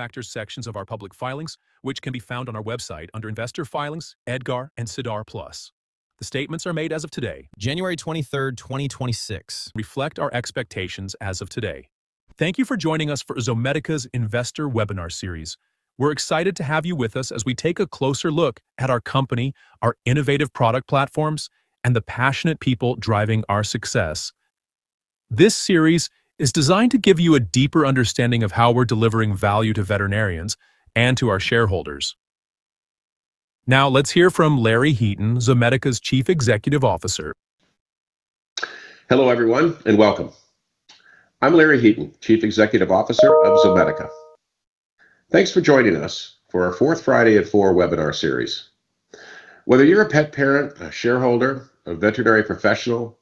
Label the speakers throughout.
Speaker 1: Risk factors sections of our public filings, which can be found on our website under Investor Filings, EDGAR, and SEDAR+. The statements are made as of today, January 23, 2026. They reflect our expectations as of today. Thank you for joining us for Zomedica's Investor Webinar Series. We're excited to have you with us as we take a closer look at our company, our innovative product platforms, and the passionate people driving our success. This series is designed to give you a deeper understanding of how we're delivering value to veterinarians and to our shareholders. Now, let's hear from Larry Heaton, Zomedica's Chief Executive Officer.
Speaker 2: Hello everyone and welcome. I'm Larry Heaton, Chief Executive Officer of Zomedica. Thanks for joining us for our fourth Friday at Four Webinar Series. Whether you're a pet parent, a shareholder, a veterinary professional,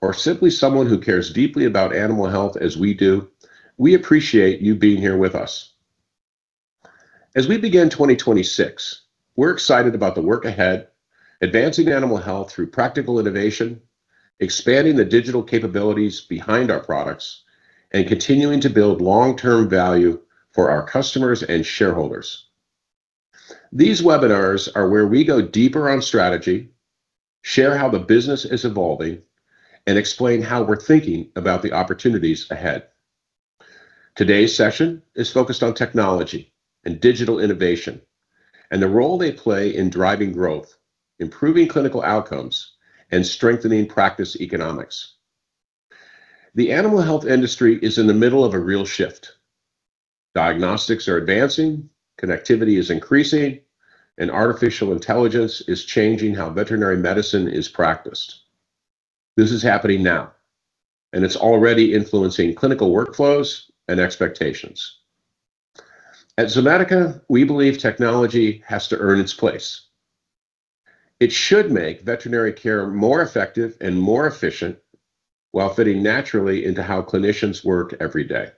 Speaker 2: or simply someone who cares deeply about animal health as we do, we appreciate you being here with us. As we begin 2026, we're excited about the work ahead, advancing animal health through practical innovation, expanding the digital capabilities behind our products, and continuing to build long-term value for our customers and shareholders. These webinars are where we go deeper on strategy, share how the business is evolving, and explain how we're thinking about the opportunities ahead. Today's session is focused on technology and digital innovation and the role they play in driving growth, improving clinical outcomes, and strengthening practice economics. The animal health industry is in the middle of a real shift. Diagnostics are advancing, connectivity is increasing, and artificial intelligence is changing how veterinary medicine is practiced. This is happening now, and it's already influencing clinical workflows and expectations. At Zomedica, we believe technology has to earn its place. It should make veterinary care more effective and more efficient while fitting naturally into how clinicians work every day.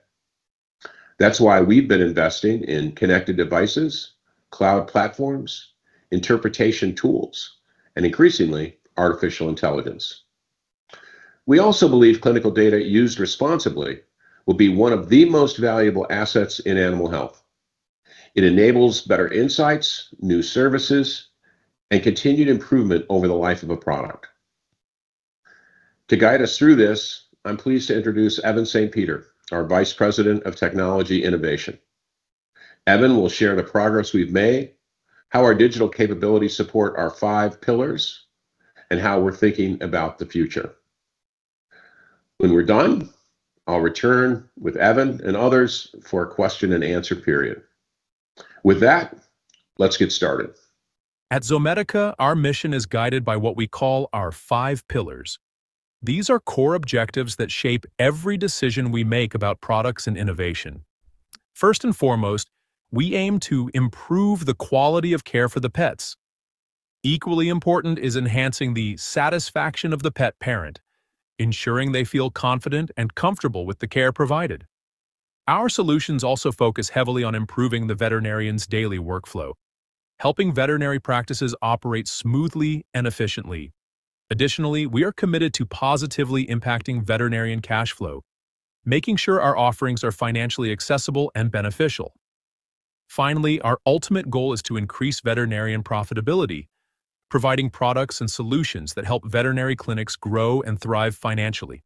Speaker 2: That's why we've been investing in connected devices, cloud platforms, interpretation tools, and increasingly artificial intelligence. We also believe clinical data used responsibly will be one of the most valuable assets in animal health. It enables better insights, new services, and continued improvement over the life of a product. To guide us through this, I'm pleased to introduce Evan St. Peter, our Vice President of Technology Innovation. Evan will share the progress we've made, how our digital capabilities support our five pillars, and how we're thinking about the future. When we're done, I'll return with Evan and others for a question-and-answer period. With that, let's get started.
Speaker 3: At Zomedica, our mission is guided by what we call our five pillars. These are core objectives that shape every decision we make about products and innovation. First and foremost, we aim to improve the quality of care for the pets. Equally important is enhancing the satisfaction of the pet parent, ensuring they feel confident and comfortable with the care provided. Our solutions also focus heavily on improving the veterinarian's daily workflow, helping veterinary practices operate smoothly and efficiently. Additionally, we are committed to positively impacting veterinarian cash flow, making sure our offerings are financially accessible and beneficial. Finally, our ultimate goal is to increase veterinarian profitability, providing products and solutions that help veterinary clinics grow and thrive financially.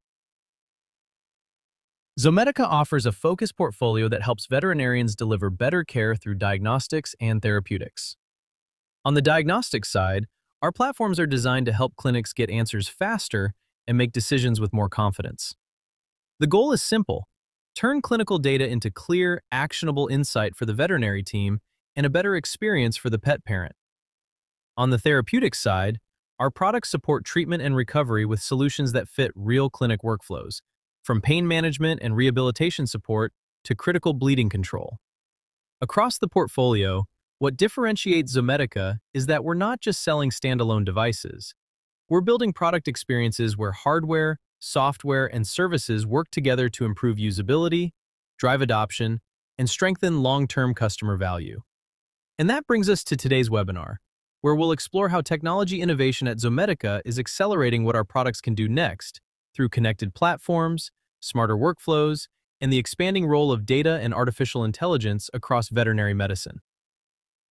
Speaker 3: Zomedica offers a focused portfolio that helps veterinarians deliver better care through diagnostics and therapeutics. On the diagnostics side, our platforms are designed to help clinics get answers faster and make decisions with more confidence. The goal is simple: turn clinical data into clear, actionable insight for the veterinary team and a better experience for the pet parent. On the therapeutic side, our products support treatment and recovery with solutions that fit real clinic workflows, from pain management and rehabilitation support to critical bleeding control. Across the portfolio, what differentiates Zomedica is that we're not just selling standalone devices. We're building product experiences where hardware, software, and services work together to improve usability, drive adoption, and strengthen long-term customer value. That brings us to today's webinar, where we'll explore how technology innovation at Zomedica is accelerating what our products can do next through connected platforms, smarter workflows, and the expanding role of data and artificial intelligence across veterinary medicine.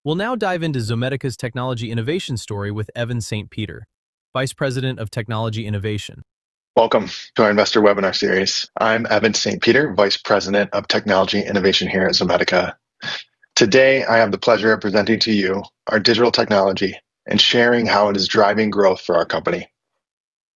Speaker 3: We'll now dive into Zomedica's technology innovation story with Evan St. Peter, Vice President of Technology Innovation.
Speaker 4: Welcome to our Investor Webinar Series. I'm Evan St. Peter, Vice President of Technology Innovation here at Zomedica. Today, I have the pleasure of presenting to you our digital technology and sharing how it is driving growth for our company.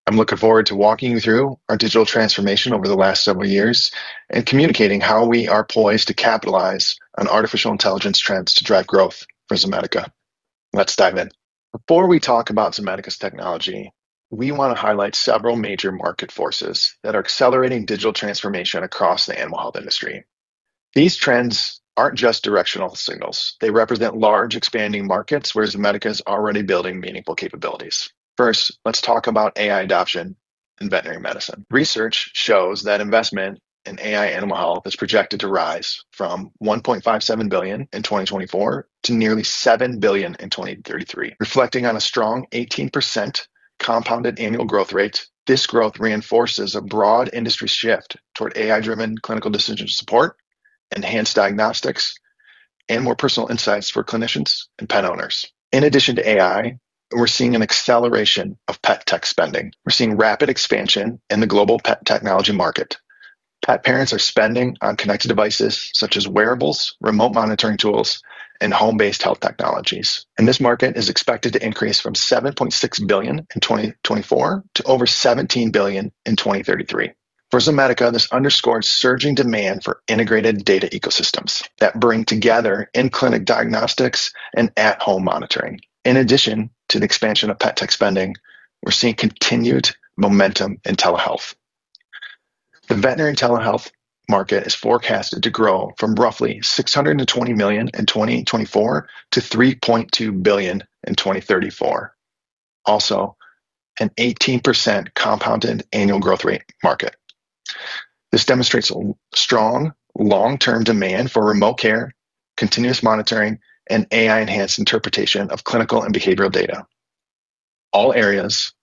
Speaker 4: I'm looking forward to walking you through our digital transformation over the last several years and communicating how we are poised to capitalize on artificial intelligence trends to drive growth for Zomedica. Let's dive in. Before we talk about Zomedica's technology, we want to highlight several major market forces that are accelerating digital transformation across the animal health industry. These trends aren't just directional signals; they represent large, expanding markets where Zomedica is already building meaningful capabilities. First, let's talk about AI adoption in veterinary medicine. Research shows that investment in AI animal health is projected to rise from $1.57 billion in 2024 to nearly $7 billion in 2033, reflecting on a strong 18% compounded annual growth rate. This growth reinforces a broad industry shift toward AI-driven clinical decision support, enhanced diagnostics, and more personal insights for clinicians and pet owners. In addition to AI, we're seeing an acceleration of pet tech spending. We're seeing rapid expansion in the global pet technology market. Pet parents are spending on connected devices such as wearables, remote monitoring tools, and home-based health technologies. This market is expected to increase from $7.6 billion in 2024 to over $17 billion in 2033. For Zomedica, this underscores surging demand for integrated data ecosystems that bring together in-clinic diagnostics and at-home monitoring. In addition to the expansion of pet tech spending, we're seeing continued momentum in telehealth. The veterinary telehealth market is forecasted to grow from roughly $620 million in 2024 to $3.2 billion in 2034, also an 18% compounded annual growth rate market. This demonstrates a strong long-term demand for remote care, continuous monitoring, and AI-enhanced interpretation of clinical and behavioral data, all areas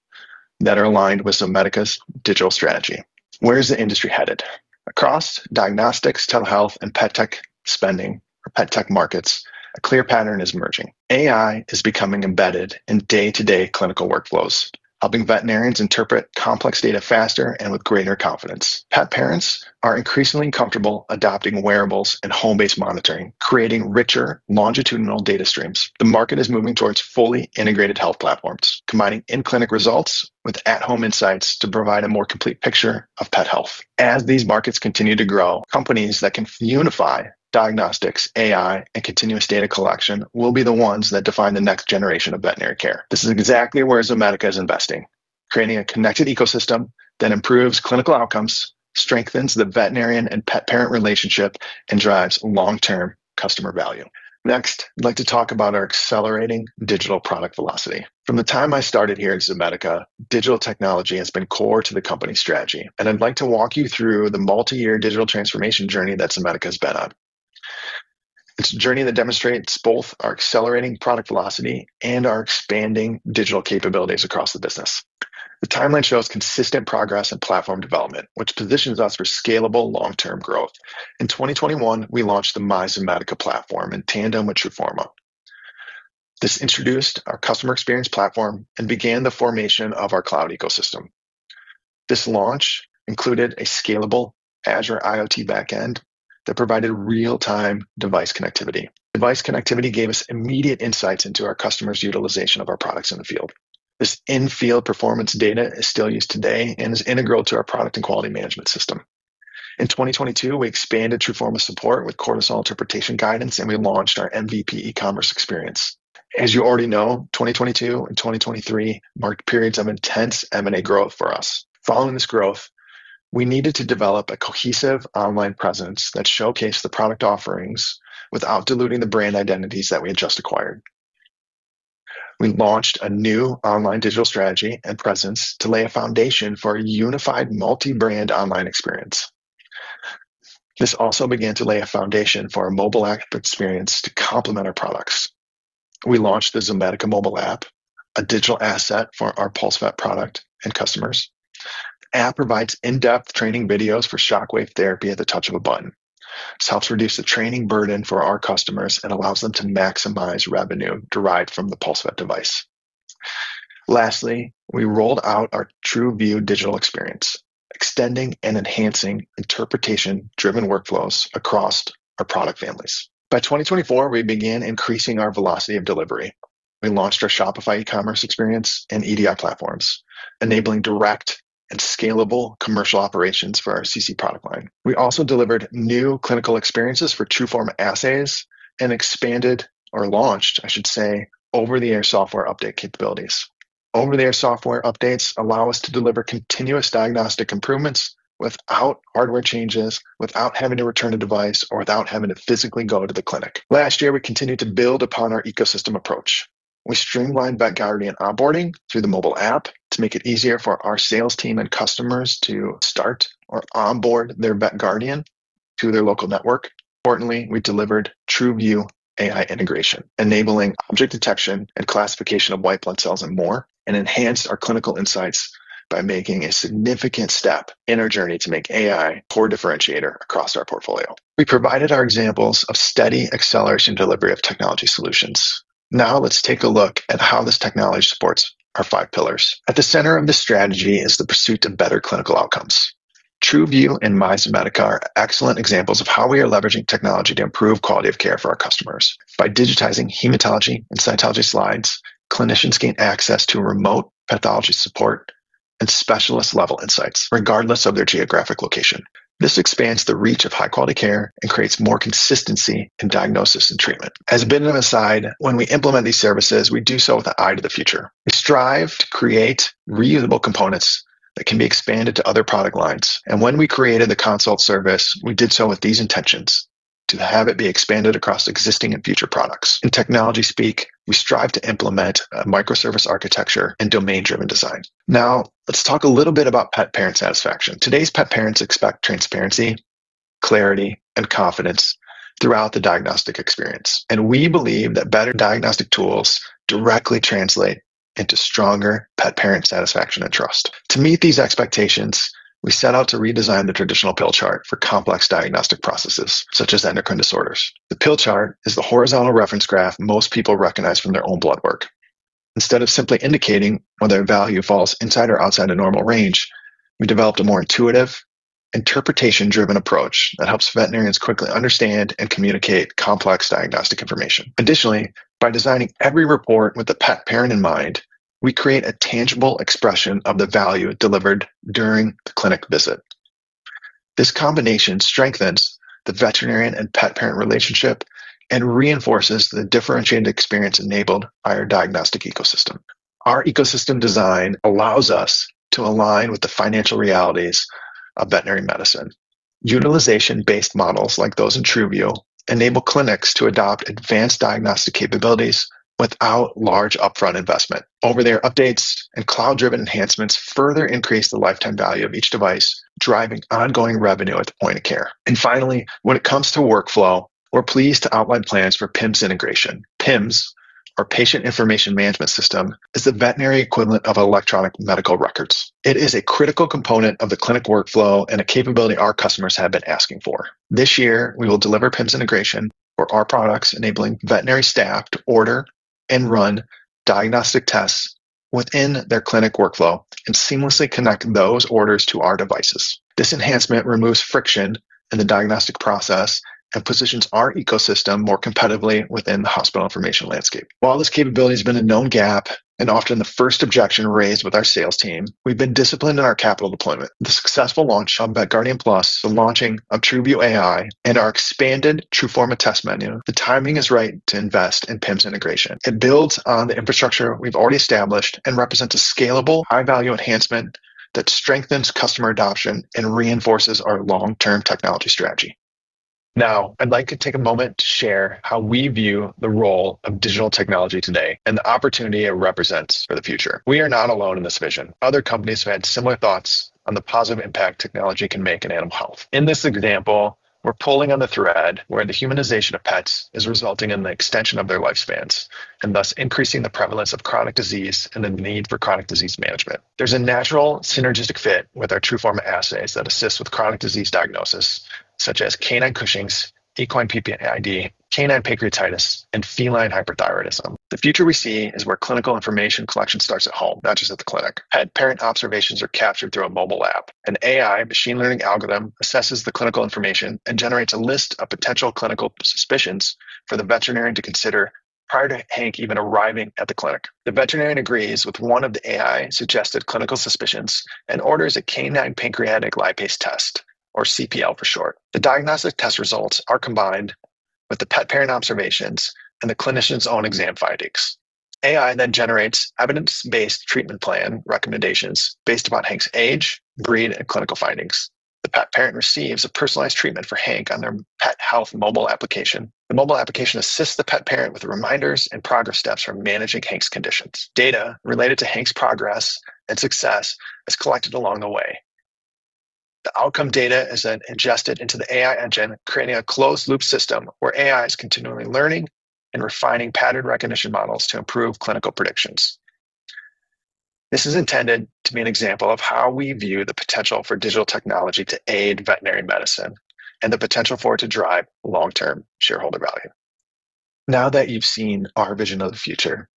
Speaker 4: that are aligned with Zomedica's digital strategy. Where is the industry headed? Across diagnostics, telehealth, and pet tech spending, or pet tech markets, a clear pattern is emerging. AI is becoming embedded in day-to-day clinical workflows, helping veterinarians interpret complex data faster and with greater confidence. Pet parents are increasingly comfortable adopting wearables and home-based monitoring, creating richer, longitudinal data streams. The market is moving towards fully integrated health platforms, combining in-clinic results with at-home insights to provide a more complete picture of pet health. As these markets continue to grow, companies that can unify diagnostics, AI, and continuous data collection will be the ones that define the next generation of veterinary care. This is exactly where Zomedica is investing, creating a connected ecosystem that improves clinical outcomes, strengthens the veterinarian and pet parent relationship, and drives long-term customer value. Next, I'd like to talk about our accelerating digital product velocity. From the time I started here at Zomedica, digital technology has been core to the company's strategy, and I'd like to walk you through the multi-year digital transformation journey that Zomedica has been on. It's a journey that demonstrates both our accelerating product velocity and our expanding digital capabilities across the business. The timeline shows consistent progress in platform development, which positions us for scalable long-term growth. In 2021, we launched the MyZomedica platform in tandem with TRUFORMA. This introduced our customer experience platform and began the formation of our cloud ecosystem. This launch included a scalable Azure IoT backend that provided real-time device connectivity. Device connectivity gave us immediate insights into our customers' utilization of our products in the field. This in-field performance data is still used today and is integral to our product and quality management system. In 2022, we expanded TRUFORMA support with cortisol interpretation guidance, and we launched our MVP e-commerce experience. As you already know, 2022 and 2023 marked periods of intense M&A growth for us. Following this growth, we needed to develop a cohesive online presence that showcased the product offerings without diluting the brand identities that we had just acquired. We launched a new online digital strategy and presence to lay a foundation for a unified multi-brand online experience. This also began to lay a foundation for a mobile app experience to complement our products. We launched the Zomedica Mobile App, a digital asset for our PulseVet product and customers. The app provides in-depth training videos for shockwave therapy at the touch of a button. This helps reduce the training burden for our customers and allows them to maximize revenue derived from the PulseVet device. Lastly, we rolled out our TRUVIEW digital experience, extending and enhancing interpretation-driven workflows across our product families. By 2024, we began increasing our velocity of delivery. We launched our Shopify e-commerce experience and EDI platforms, enabling direct and scalable commercial operations for our CC product line. We also delivered new clinical experiences for TRUFORMA assays and expanded or launched, I should say, over-the-air software update capabilities. Over-the-air software updates allow us to deliver continuous diagnostic improvements without hardware changes, without having to return a device, or without having to physically go to the clinic. Last year, we continued to build upon our ecosystem approach. We streamlined VetGuardian onboarding through the mobile app to make it easier for our sales team and customers to start or onboard their VetGuardian to their local network. Importantly, we delivered TRUVIEW AI integration, enabling object detection and classification of white blood cells and more, and enhanced our clinical insights by making a significant step in our journey to make AI a core differentiator across our portfolio. We provided our examples of steady acceleration delivery of technology solutions. Now, let's take a look at how this technology supports our five pillars. At the center of this strategy is the pursuit of better clinical outcomes. TRUVIEW and MyZomedica are excellent examples of how we are leveraging technology to improve quality of care for our customers. By digitizing hematology and cytology slides, clinicians gain access to remote pathology support and specialist-level insights, regardless of their geographic location. This expands the reach of high-quality care and creates more consistency in diagnosis and treatment. As a bit of an aside, when we implement these services, we do so with an eye to the future. We strive to create reusable components that can be expanded to other product lines. And when we created the consult service, we did so with these intentions: to have it be expanded across existing and future products. In technology speak, we strive to implement a microservice architecture and domain-driven design. Now, let's talk a little bit about pet parent satisfaction. Today's pet parents expect transparency, clarity, and confidence throughout the diagnostic experience. We believe that better diagnostic tools directly translate into stronger pet parent satisfaction and trust. To meet these expectations, we set out to redesign the traditional pill chart for complex diagnostic processes, such as endocrine disorders. The pill chart is the horizontal reference graph most people recognize from their own blood work. Instead of simply indicating whether value falls inside or outside of normal range, we developed a more intuitive, interpretation-driven approach that helps veterinarians quickly understand and communicate complex diagnostic information. Additionally, by designing every report with the pet parent in mind, we create a tangible expression of the value delivered during the clinic visit. This combination strengthens the veterinarian and pet parent relationship and reinforces the differentiated experience enabled by our diagnostic ecosystem. Our ecosystem design allows us to align with the financial realities of veterinary medicine. Utilization-based models like those in TRUVIEW enable clinics to adopt advanced diagnostic capabilities without large upfront investment. Over-the-air updates and cloud-driven enhancements further increase the lifetime value of each device, driving ongoing revenue at the point of care. Finally, when it comes to workflow, we're pleased to outline plans for PIMS integration. PIMS, or Patient Information Management System, is the veterinary equivalent of electronic medical records. It is a critical component of the clinic workflow and a capability our customers have been asking for. This year, we will deliver PIMS integration for our products, enabling veterinary staff to order and run diagnostic tests within their clinic workflow and seamlessly connect those orders to our devices. This enhancement removes friction in the diagnostic process and positions our ecosystem more competitively within the hospital information landscape. While this capability has been a known gap and often the first objection raised with our sales team, we've been disciplined in our capital deployment. The successful launch of VetGuardian Plus, the launching of TRUVIEW AI, and our expanded TRUFORMA test menu, the timing is right to invest in PIMS integration. It builds on the infrastructure we've already established and represents a scalable, high-value enhancement that strengthens customer adoption and reinforces our long-term technology strategy. Now, I'd like to take a moment to share how we view the role of digital technology today and the opportunity it represents for the future. We are not alone in this vision. Other companies have had similar thoughts on the positive impact technology can make in animal health. In this example, we're pulling on the thread where the humanization of pets is resulting in the extension of their lifespans and thus increasing the prevalence of chronic disease and the need for chronic disease management. There's a natural synergistic fit with our TRUFORMA assays that assist with chronic disease diagnosis, such as canine Cushing's, equine PPID, canine pancreatitis, and feline hyperthyroidism. The future we see is where clinical information collection starts at home, not just at the clinic. Pet parent observations are captured through a mobile app. An AI machine learning algorithm assesses the clinical information and generates a list of potential clinical suspicions for the veterinarian to consider prior to Hank even arriving at the clinic. The veterinarian agrees with one of the AI-suggested clinical suspicions and orders a canine pancreatic lipase test, or cPL for short. The diagnostic test results are combined with the pet parent observations and the clinician's own exam findings. AI then generates evidence-based treatment plan recommendations based upon Hank's age, breed, and clinical findings. The pet parent receives a personalized treatment for Hank on their pet health mobile application. The mobile application assists the pet parent with reminders and progress steps for managing Hank's conditions. Data related to Hank's progress and success is collected along the way. The outcome data is then ingested into the AI engine, creating a closed-loop system where AI is continually learning and refining pattern recognition models to improve clinical predictions. This is intended to be an example of how we view the potential for digital technology to aid veterinary medicine and the potential for it to drive long-term shareholder value. Now that you've seen our vision of the future,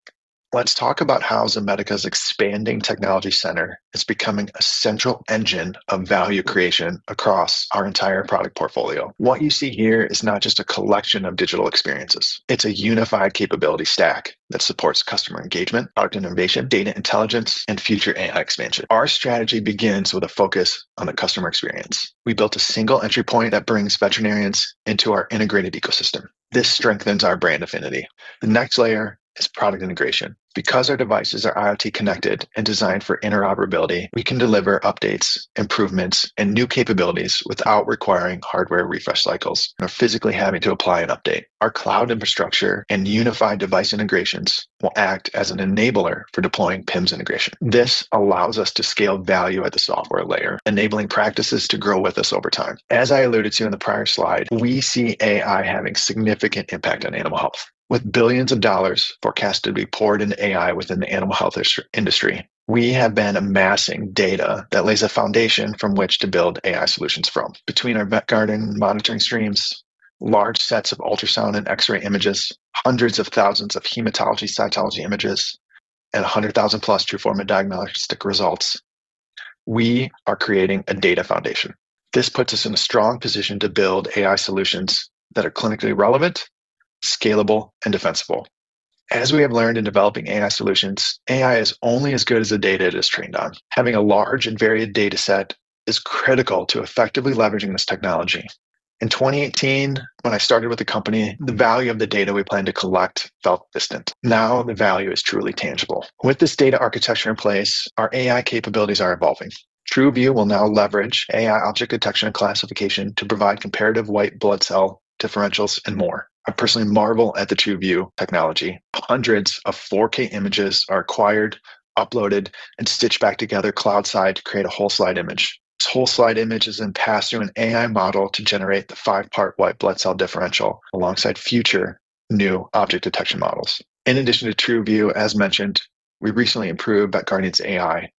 Speaker 4: let's talk about how Zomedica's expanding technology center is becoming a central engine of value creation across our entire product portfolio. What you see here is not just a collection of digital experiences. It's a unified capability stack that supports customer engagement, product innovation, data intelligence, and future AI expansion. Our strategy begins with a focus on the customer experience. We built a single entry point that brings veterinarians into our integrated ecosystem. This strengthens our brand affinity. The next layer is product integration. Because our devices are IoT connected and designed for interoperability, we can deliver updates, improvements, and new capabilities without requiring hardware refresh cycles or physically having to apply an update. Our cloud infrastructure and unified device integrations will act as an enabler for deploying PIMS integration. This allows us to scale value at the software layer, enabling practices to grow with us over time. As I alluded to in the prior slide, we see AI having a significant impact on animal health. With billions of dollars forecast to be poured into AI within the animal health industry, we have been amassing data that lays a foundation from which to build AI solutions from. Between our VetGuardian monitoring streams, large sets of ultrasound and X-ray images, hundreds of thousands of hematology cytology images, and 100,000+ TRUFORMA diagnostic results, we are creating a data foundation. This puts us in a strong position to build AI solutions that are clinically relevant, scalable, and defensible. As we have learned in developing AI solutions, AI is only as good as the data it is trained on. Having a large and varied data set is critical to effectively leveraging this technology. In 2018, when I started with the company, the value of the data we planned to collect felt distant. Now the value is truly tangible. With this data architecture in place, our AI capabilities are evolving. TRUVIEW will now leverage AI object detection and classification to provide comparative white blood cell differentials and more. I personally marvel at the TRUVIEW technology. Hundreds of 4K images are acquired, uploaded, and stitched back together cloud-side to create a whole slide image. This whole slide image is then passed through an AI model to generate the five-part white blood cell differential alongside future new object detection models. In addition to TRUVIEW, as mentioned, we recently improved VetGuardian's AI,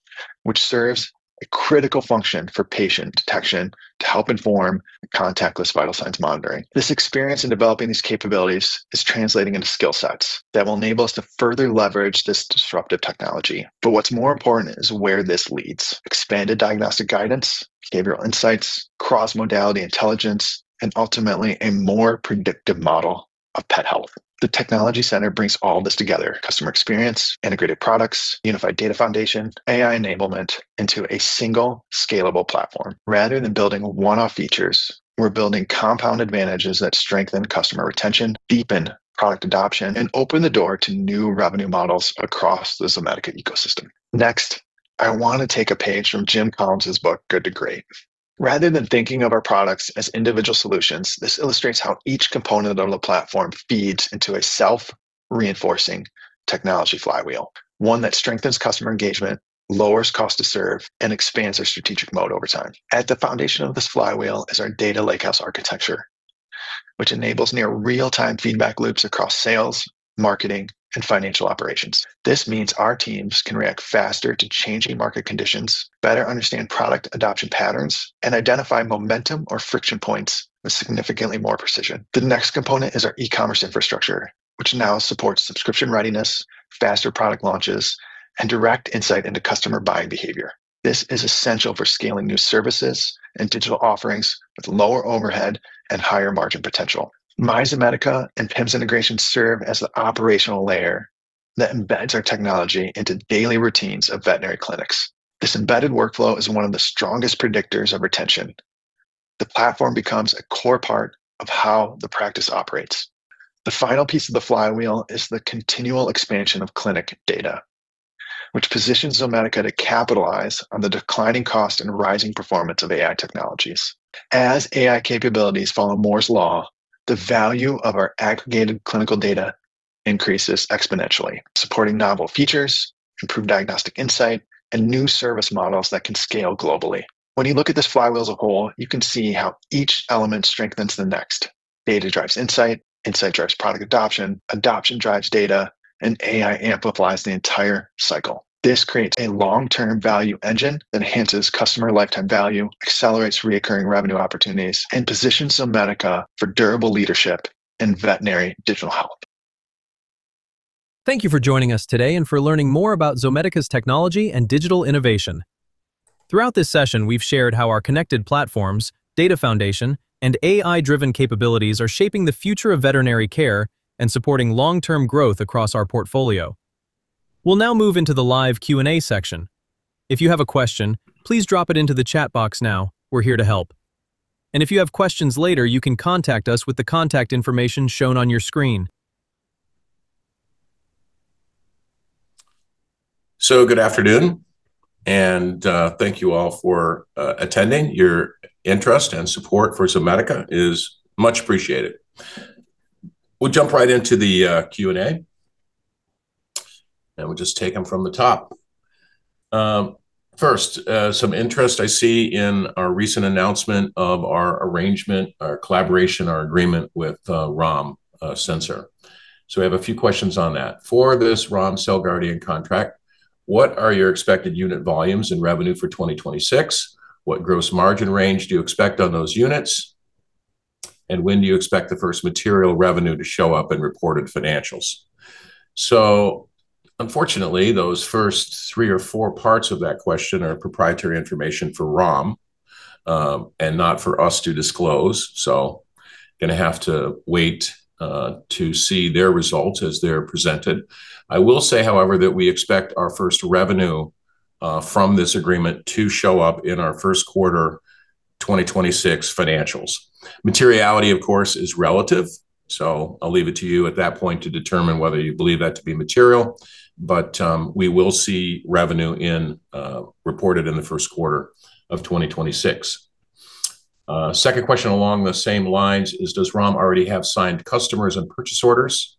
Speaker 4: which serves a critical function for patient detection to help inform contactless vital signs monitoring. This experience in developing these capabilities is translating into skill sets that will enable us to further leverage this disruptive technology. But what's more important is where this leads: expanded diagnostic guidance, behavioral insights, cross-modality intelligence, and ultimately a more predictive model of pet health. The technology center brings all this together: customer experience, integrated products, unified data foundation, AI enablement into a single scalable platform. Rather than building one-off features, we're building compound advantages that strengthen customer retention, deepen product adoption, and open the door to new revenue models across the Zomedica ecosystem. Next, I want to take a page from Jim Collins' book, Good to Great. Rather than thinking of our products as individual solutions, this illustrates how each component of the platform feeds into a self-reinforcing technology flywheel, one that strengthens customer engagement, lowers cost to serve, and expands our strategic moat over time. At the foundation of this flywheel is our Data Lakehouse architecture, which enables near real-time feedback loops across sales, marketing, and financial operations. This means our teams can react faster to changing market conditions, better understand product adoption patterns, and identify momentum or friction points with significantly more precision. The next component is our e-commerce infrastructure, which now supports subscription readiness, faster product launches, and direct insight into customer buying behavior. This is essential for scaling new services and digital offerings with lower overhead and higher margin potential. MyZomedica and PIMS integration serve as the operational layer that embeds our technology into daily routines of veterinary clinics. This embedded workflow is one of the strongest predictors of retention. The platform becomes a core part of how the practice operates. The final piece of the flywheel is the continual expansion of clinic data, which positions Zomedica to capitalize on the declining cost and rising performance of AI technologies. As AI capabilities follow Moore's Law, the value of our aggregated clinical data increases exponentially, supporting novel features, improved diagnostic insight, and new service models that can scale globally. When you look at this flywheel as a whole, you can see how each element strengthens the next. Data drives insight, insight drives product adoption, adoption drives data, and AI amplifies the entire cycle. This creates a long-term value engine that enhances customer lifetime value, accelerates recurring revenue opportunities, and positions Zomedica for durable leadership in veterinary digital health.
Speaker 3: Thank you for joining us today and for learning more about Zomedica's technology and digital innovation. Throughout this session, we've shared how our connected platforms, data foundation, and AI-driven capabilities are shaping the future of veterinary care and supporting long-term growth across our portfolio. We'll now move into the live Q&A section. If you have a question, please drop it into the chat box now. We're here to help. If you have questions later, you can contact us with the contact information shown on your screen.
Speaker 2: Good afternoon, and thank you all for attending. Your interest and support for Zomedica is much appreciated. We'll jump right into the Q&A, and we'll just take them from the top. First, some interest I see in our recent announcement of our arrangement, our collaboration, our agreement with Rom Sensors. So, we have a few questions on that. For this Rom CellGuardian contract, what are your expected unit volumes and revenue for 2026? What gross margin range do you expect on those units? And when do you expect the first material revenue to show up in reported financials? So, unfortunately, those first three or four parts of that question are proprietary information for Rom and not for us to disclose. So, going to have to wait to see their results as they're presented. I will say, however, that we expect our first revenue from this agreement to show up in our first quarter 2026 financials. Materiality, of course, is relative. So, I'll leave it to you at that point to determine whether you believe that to be material. But we will see revenue reported in the first quarter of 2026. Second question along the same lines is, does Rom already have signed customers and purchase orders?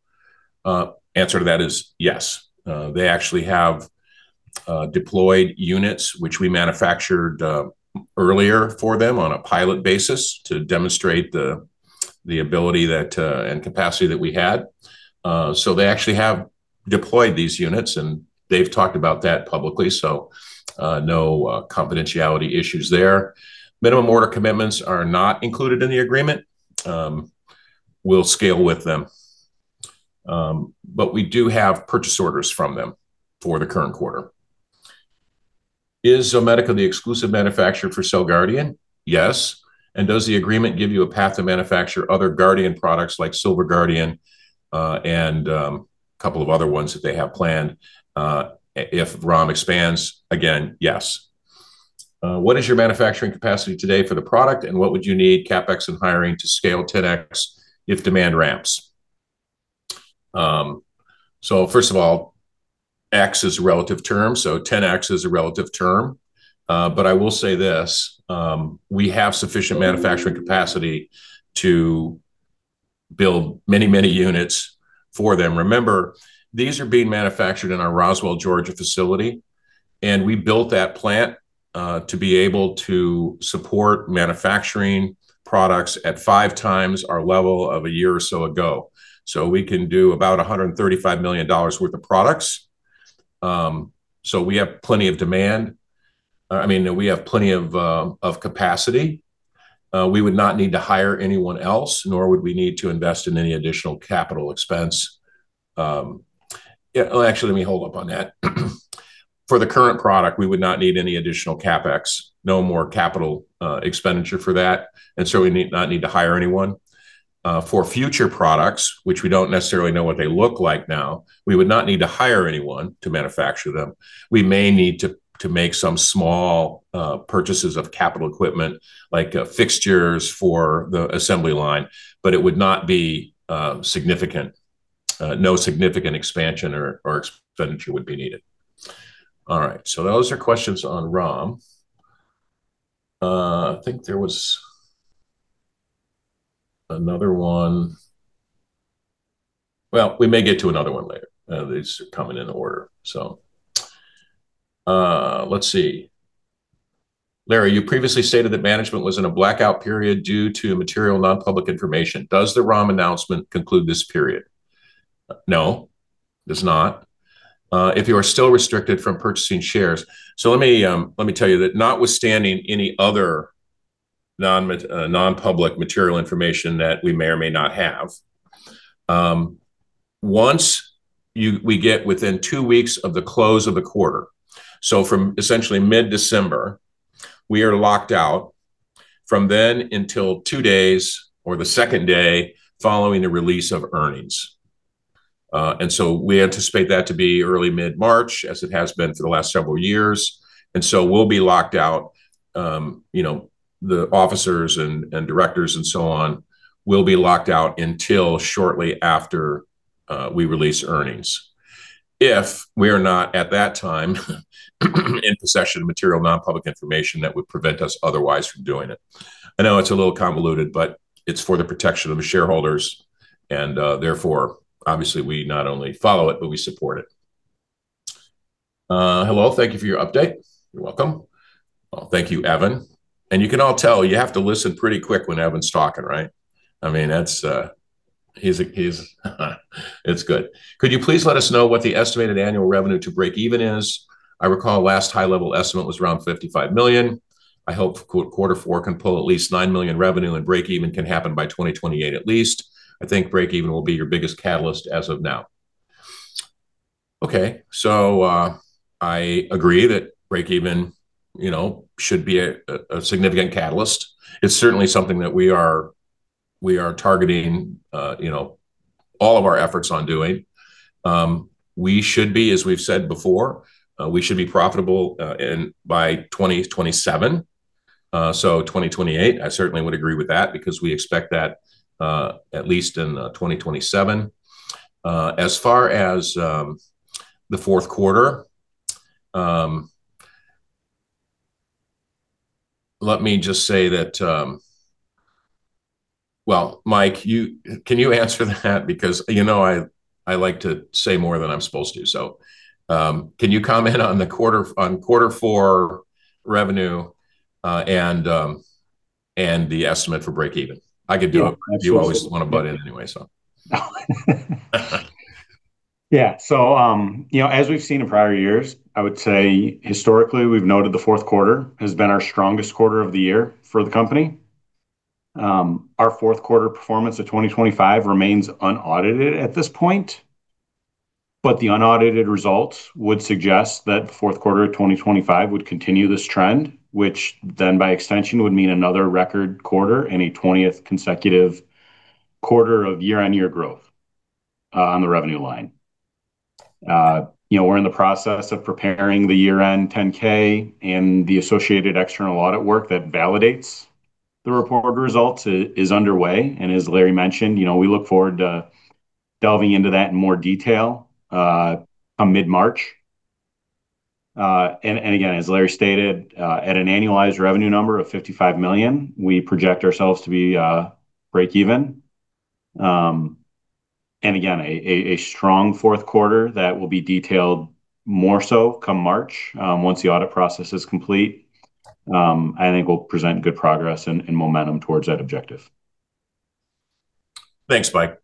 Speaker 2: Answer to that is yes. They actually have deployed units, which we manufactured earlier for them on a pilot basis to demonstrate the ability and capacity that we had. So, they actually have deployed these units, and they've talked about that publicly. So, no confidentiality issues there. Minimum order commitments are not included in the agreement. We'll scale with them. But we do have purchase orders from them for the current quarter. Is Zomedica the exclusive manufacturer for CellGuardian? Yes. And does the agreement give you a path to manufacture other Guardian products like SilverGuardian and a couple of other ones that they have planned? If ROM expands, again, yes. What is your manufacturing capacity today for the product, and what would you need CapEx and hiring to scale 10X if demand ramps? So, first of all, X is a relative term. So, 10X is a relative term. But I will say this: we have sufficient manufacturing capacity to build many, many units for them. Remember, these are being manufactured in our Roswell, Georgia facility. And we built that plant to be able to support manufacturing products at five times our level of a year or so ago. So, we can do about $135 million worth of products. So, we have plenty of demand. I mean, we have plenty of capacity. We would not need to hire anyone else, nor would we need to invest in any additional capital expense. Actually, let me hold up on that. For the current product, we would not need any additional CapEx, no more capital expenditure for that. And so, we would not need to hire anyone. For future products, which we don't necessarily know what they look like now, we would not need to hire anyone to manufacture them. We may need to make some small purchases of capital equipment, like fixtures for the assembly line, but it would not be significant. No significant expansion or expenditure would be needed. All right. So, those are questions on ROM. I think there was another one. Well, we may get to another one later. These are coming in order. So, let's see. Larry, you previously stated that management was in a blackout period due to material nonpublic information. Does the ROM announcement conclude this period? No, it does not. If you are still restricted from purchasing shares? So, let me tell you that notwithstanding any other nonpublic material information that we may or may not have, once we get within two weeks of the close of the quarter, so from essentially mid-December, we are locked out from then until two days or the second day following the release of earnings. We anticipate that to be early mid-March, as it has been for the last several years. We'll be locked out. The officers and directors and so on will be locked out until shortly after we release earnings. If we are not at that time in possession of material nonpublic information that would prevent us otherwise from doing it. I know it's a little convoluted, but it's for the protection of the shareholders. Therefore, obviously, we not only follow it, but we support it. Hello. Thank you for your update. You're welcome. Thank you, Evan. And you can all tell you have to listen pretty quick when Evan's talking, right? I mean, it's good. Could you please let us know what the estimated annual revenue to break even is? I recall last high-level estimate was around $55 million. I hope quarter four can pull at least $9 million revenue, and break even can happen by 2028 at least. I think break even will be your biggest catalyst as of now. Okay. So, I agree that break even should be a significant catalyst. It's certainly something that we are targeting all of our efforts on doing. We should be, as we've said before, we should be profitable by 2027. So, 2028, I certainly would agree with that because we expect that at least in 2027. As far as the fourth quarter, let me just say that, well, Mike, can you answer that? Because I like to say more than I'm supposed to. So, can you comment on quarter four revenue and the estimate for break even? I could do it if you always want to butt in anyway, so.
Speaker 5: Yeah. As we've seen in prior years, I would say historically we've noted the fourth quarter has been our strongest quarter of the year for the company. Our fourth quarter performance of 2025 remains unaudited at this point. The unaudited results would suggest that the fourth quarter of 2025 would continue this trend, which then by extension would mean another record quarter and a 20th consecutive quarter of year-on-year growth on the revenue line. We're in the process of preparing the year-end 10-K and the associated external audit work that validates the report results is underway. As Larry mentioned, we look forward to delving into that in more detail come mid-March. Again, as Larry stated, at an annualized revenue number of $55 million, we project ourselves to be break even. And again, a strong fourth quarter that will be detailed more so come March once the audit process is complete. I think we'll present good progress and momentum towards that objective.
Speaker 2: Thanks, Mike.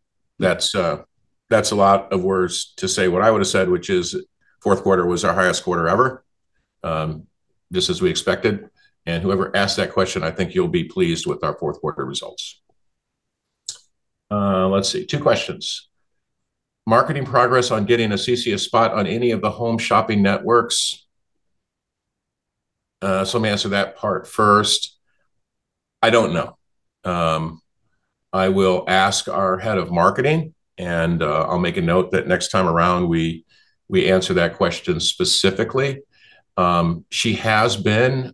Speaker 2: That's a lot of words to say what I would have said, which is fourth quarter was our highest quarter ever, just as we expected. And whoever asked that question, I think you'll be pleased with our fourth quarter results. Let's see. Two questions. Marketing progress on getting Assisi's spot on any of the home shopping networks? So, let me answer that part first. I don't know. I will ask our head of marketing, and I'll make a note that next time around we answer that question specifically. She has been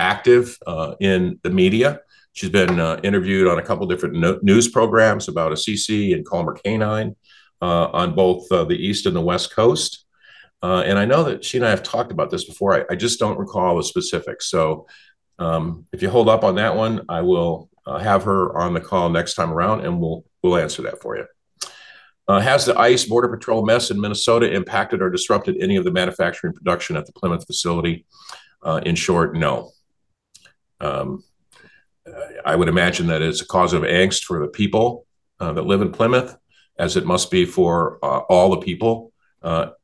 Speaker 2: active in the media. She's been interviewed on a couple of different news programs about Assisi and Calmer Canine on both the East and the West Coast. I know that she and I have talked about this before. I just don't recall the specifics. If you hold up on that one, I will have her on the call next time around, and we'll answer that for you. Has the ICE Border Patrol mess in Minnesota impacted or disrupted any of the manufacturing production at the Plymouth facility? In short, no. I would imagine that it's a cause of angst for the people that live in Plymouth, as it must be for all the people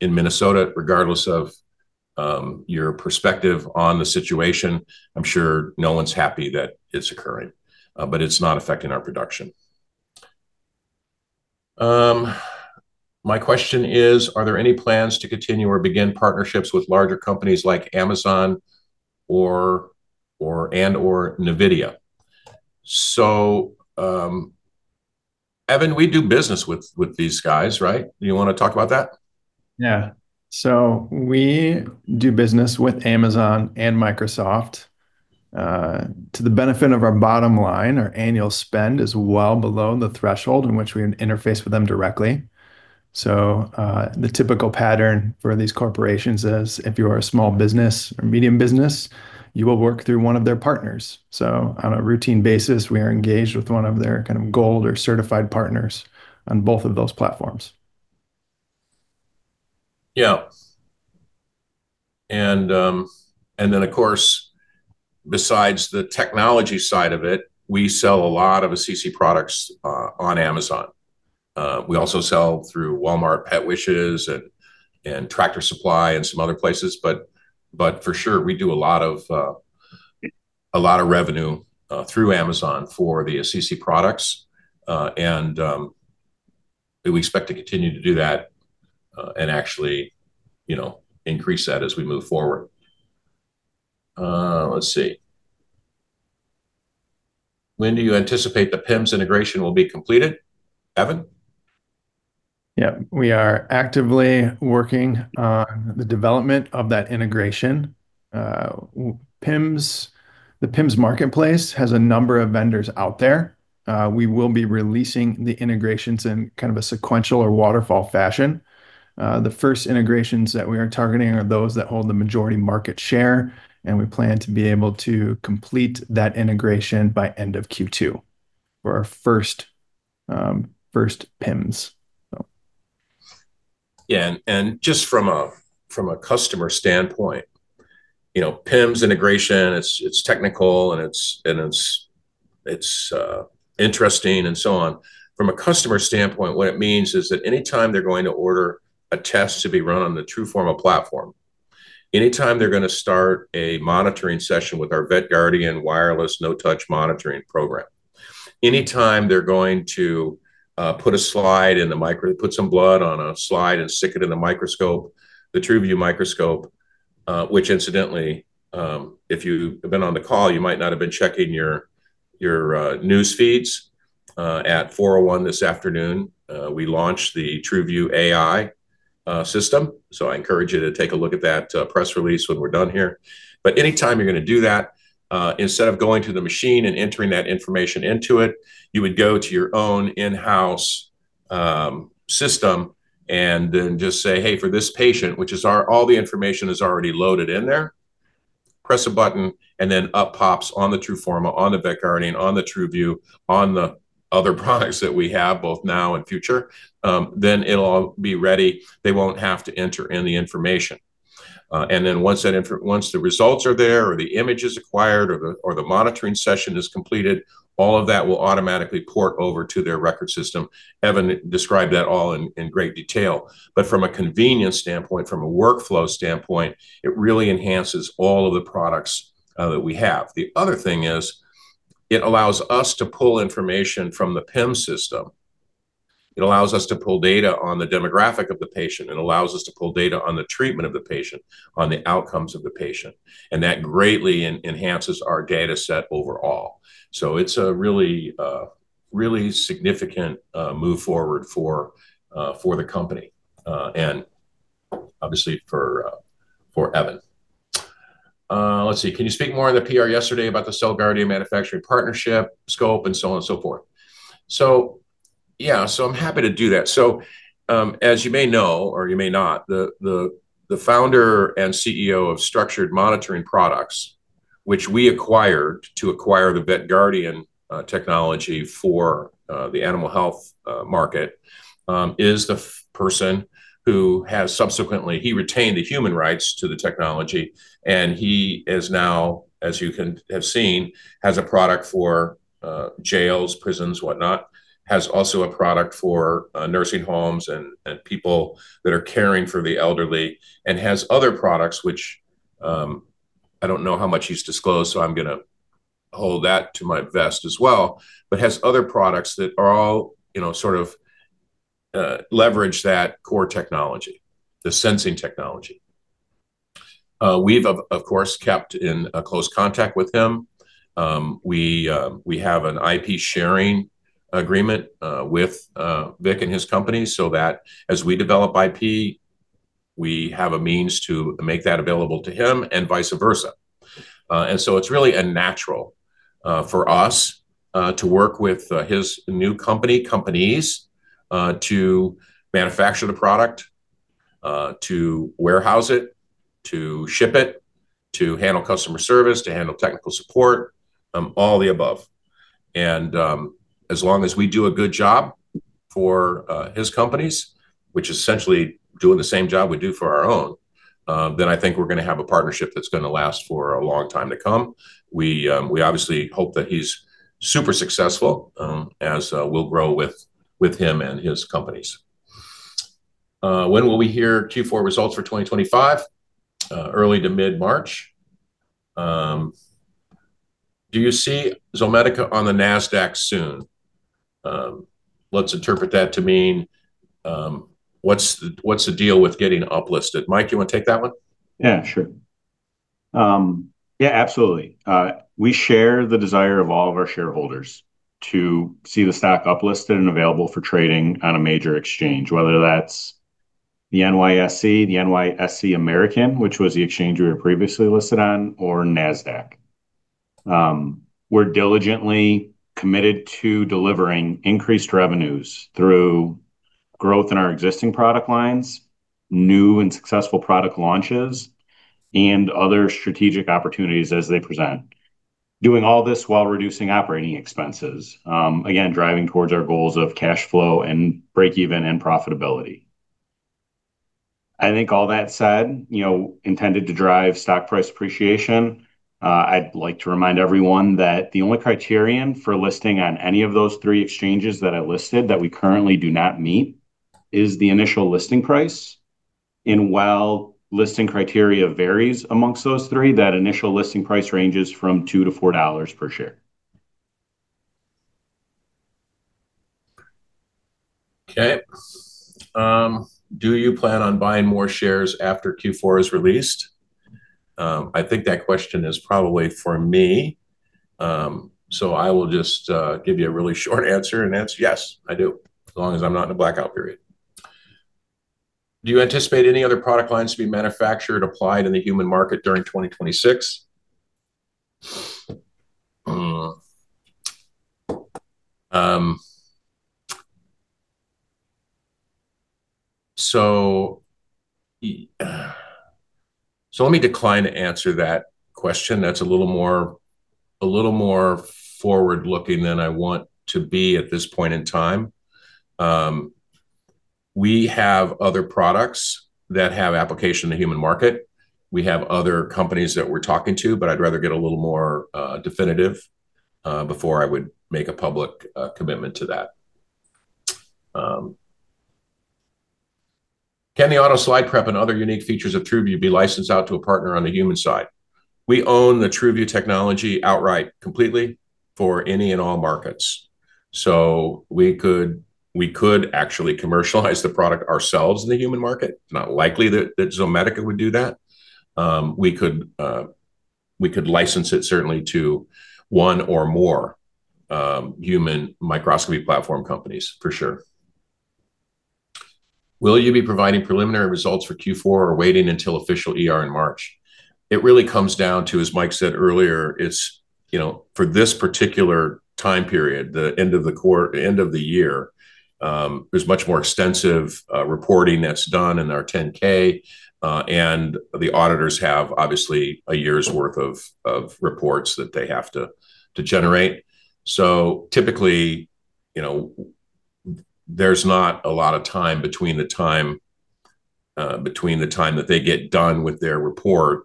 Speaker 2: in Minnesota, regardless of your perspective on the situation. I'm sure no one's happy that it's occurring, but it's not affecting our production. My question is, are there any plans to continue or begin partnerships with larger companies like Amazon and/or NVIDIA? So, Evan, we do business with these guys, right? You want to talk about that?
Speaker 4: Yeah. So, we do business with Amazon and Microsoft to the benefit of our bottom line. Our annual spend is well below the threshold in which we interface with them directly. So, the typical pattern for these corporations is if you are a small business or medium business, you will work through one of their partners. So, on a routine basis, we are engaged with one of their kind of gold or certified partners on both of those platforms.
Speaker 2: Yeah. And then, of course, besides the technology side of it, we sell a lot of CC products on Amazon. We also sell through Walmart, Pet Wishes, and Tractor Supply, and some other places. But for sure, we do a lot of revenue through Amazon for the CC products. And we expect to continue to do that and actually increase that as we move forward. Let's see. When do you anticipate the PIMS integration will be completed? Evan?
Speaker 4: Yeah. We are actively working on the development of that integration. The PIMS marketplace has a number of vendors out there. We will be releasing the integrations in kind of a sequential or waterfall fashion. The first integrations that we are targeting are those that hold the majority market share. And we plan to be able to complete that integration by end of Q2 for our first PIMS.
Speaker 2: Yeah. And just from a customer standpoint, PIMS integration, it's technical, and it's interesting, and so on. From a customer standpoint, what it means is that anytime they're going to order a test to be run on the TRUFORMA platform, anytime they're going to start a monitoring session with our VetGuardian wireless no-touch monitoring program, anytime they're going to put a slide in the micro, put some blood on a slide and stick it in the microscope, the TRUVIEW microscope, which incidentally, if you have been on the call, you might not have been checking your news feeds. At 4:01 P.M. this afternoon, we launched the TRUVIEW AI system. So, I encourage you to take a look at that press release when we're done here. But anytime you're going to do that, instead of going to the machine and entering that information into it, you would go to your own in-house system and then just say, "Hey, for this patient," which is all the information is already loaded in there, press a button, and then up pops on the TRUFORMA, on the VetGuardian, on the TRUVIEW, on the other products that we have, both now and future, then it'll all be ready. They won't have to enter in the information. And then once the results are there or the image is acquired or the monitoring session is completed, all of that will automatically port over to their record system. Evan described that all in great detail. But from a convenience standpoint, from a workflow standpoint, it really enhances all of the products that we have. The other thing is it allows us to pull information from the PIM system. It allows us to pull data on the demographic of the patient. It allows us to pull data on the treatment of the patient, on the outcomes of the patient. And that greatly enhances our data set overall. So, it's a really significant move forward for the company and obviously for Evan. Let's see. Can you speak more on the PR yesterday about the CellGuardian manufacturing partnership, scope, and so on and so forth? So, yeah. So, I'm happy to do that. So, as you may know or you may not, the founder and CEO of Structured Monitoring Products, which we acquired to acquire the VetGuardian technology for the animal health market, is the person who has subsequently retained the human rights to the technology. He is now, as you have seen, has a product for jails, prisons, whatnot, has also a product for nursing homes and people that are caring for the elderly, and has other products, which I don't know how much he's disclosed, so I'm going to hold that to my vest as well, but has other products that are all sort of leverage that core technology, the sensing technology. We've, of course, kept in close contact with him. We have an IP sharing agreement with Vik and his company so that as we develop IP, we have a means to make that available to him and vice versa. And so, it's really natural for us to work with his new company, companies, to manufacture the product, to warehouse it, to ship it, to handle customer service, to handle technical support, all the above. As long as we do a good job for his companies, which is essentially doing the same job we do for our own, then I think we're going to have a partnership that's going to last for a long time to come. We obviously hope that he's super successful, as we'll grow with him and his companies. When will we hear Q4 results for 2025? Early to mid-March. Do you see Zomedica on the NASDAQ soon? Let's interpret that to mean what's the deal with getting uplisted? Mike, you want to take that one?
Speaker 5: Yeah, sure. Yeah, absolutely. We share the desire of all of our shareholders to see the stock uplisted and available for trading on a major exchange, whether that's the NYSE, the NYSE American, which was the exchange we were previously listed on, or NASDAQ. We're diligently committed to delivering increased revenues through growth in our existing product lines, new and successful product launches, and other strategic opportunities as they present, doing all this while reducing operating expenses, again, driving towards our goals of cash flow and break even and profitability. I think all that said, intended to drive stock price appreciation, I'd like to remind everyone that the only criterion for listing on any of those three exchanges that I listed that we currently do not meet is the initial listing price. And while listing criteria varies among those three, that initial listing price ranges from $2-$4 per share.
Speaker 2: Okay. Do you plan on buying more shares after Q4 is released? I think that question is probably for me. So, I will just give you a really short answer and answer yes, I do, as long as I'm not in a blackout period. Do you anticipate any other product lines to be manufactured, applied in the human market during 2026? Let me decline to answer that question. That's a little more forward-looking than I want to be at this point in time. We have other products that have application in the human market. We have other companies that we're talking to, but I'd rather get a little more definitive before I would make a public commitment to that. Can the auto slide prep and other unique features of TRUVIEW be licensed out to a partner on the human side? We own the TRUVIEW technology outright completely for any and all markets. We could actually commercialize the product ourselves in the human market. It's not likely that Zomedica would do that. We could license it certainly to one or more human microscopy platform companies, for sure. Will you be providing preliminary results for Q4 or waiting until official in March? It really comes down to, as Mike said earlier, for this particular time period, the end of the year, there's much more extensive reporting that's done in our 10-K, and the auditors have obviously a year's worth of reports that they have to generate. So, typically, there's not a lot of time between the time that they get done with their report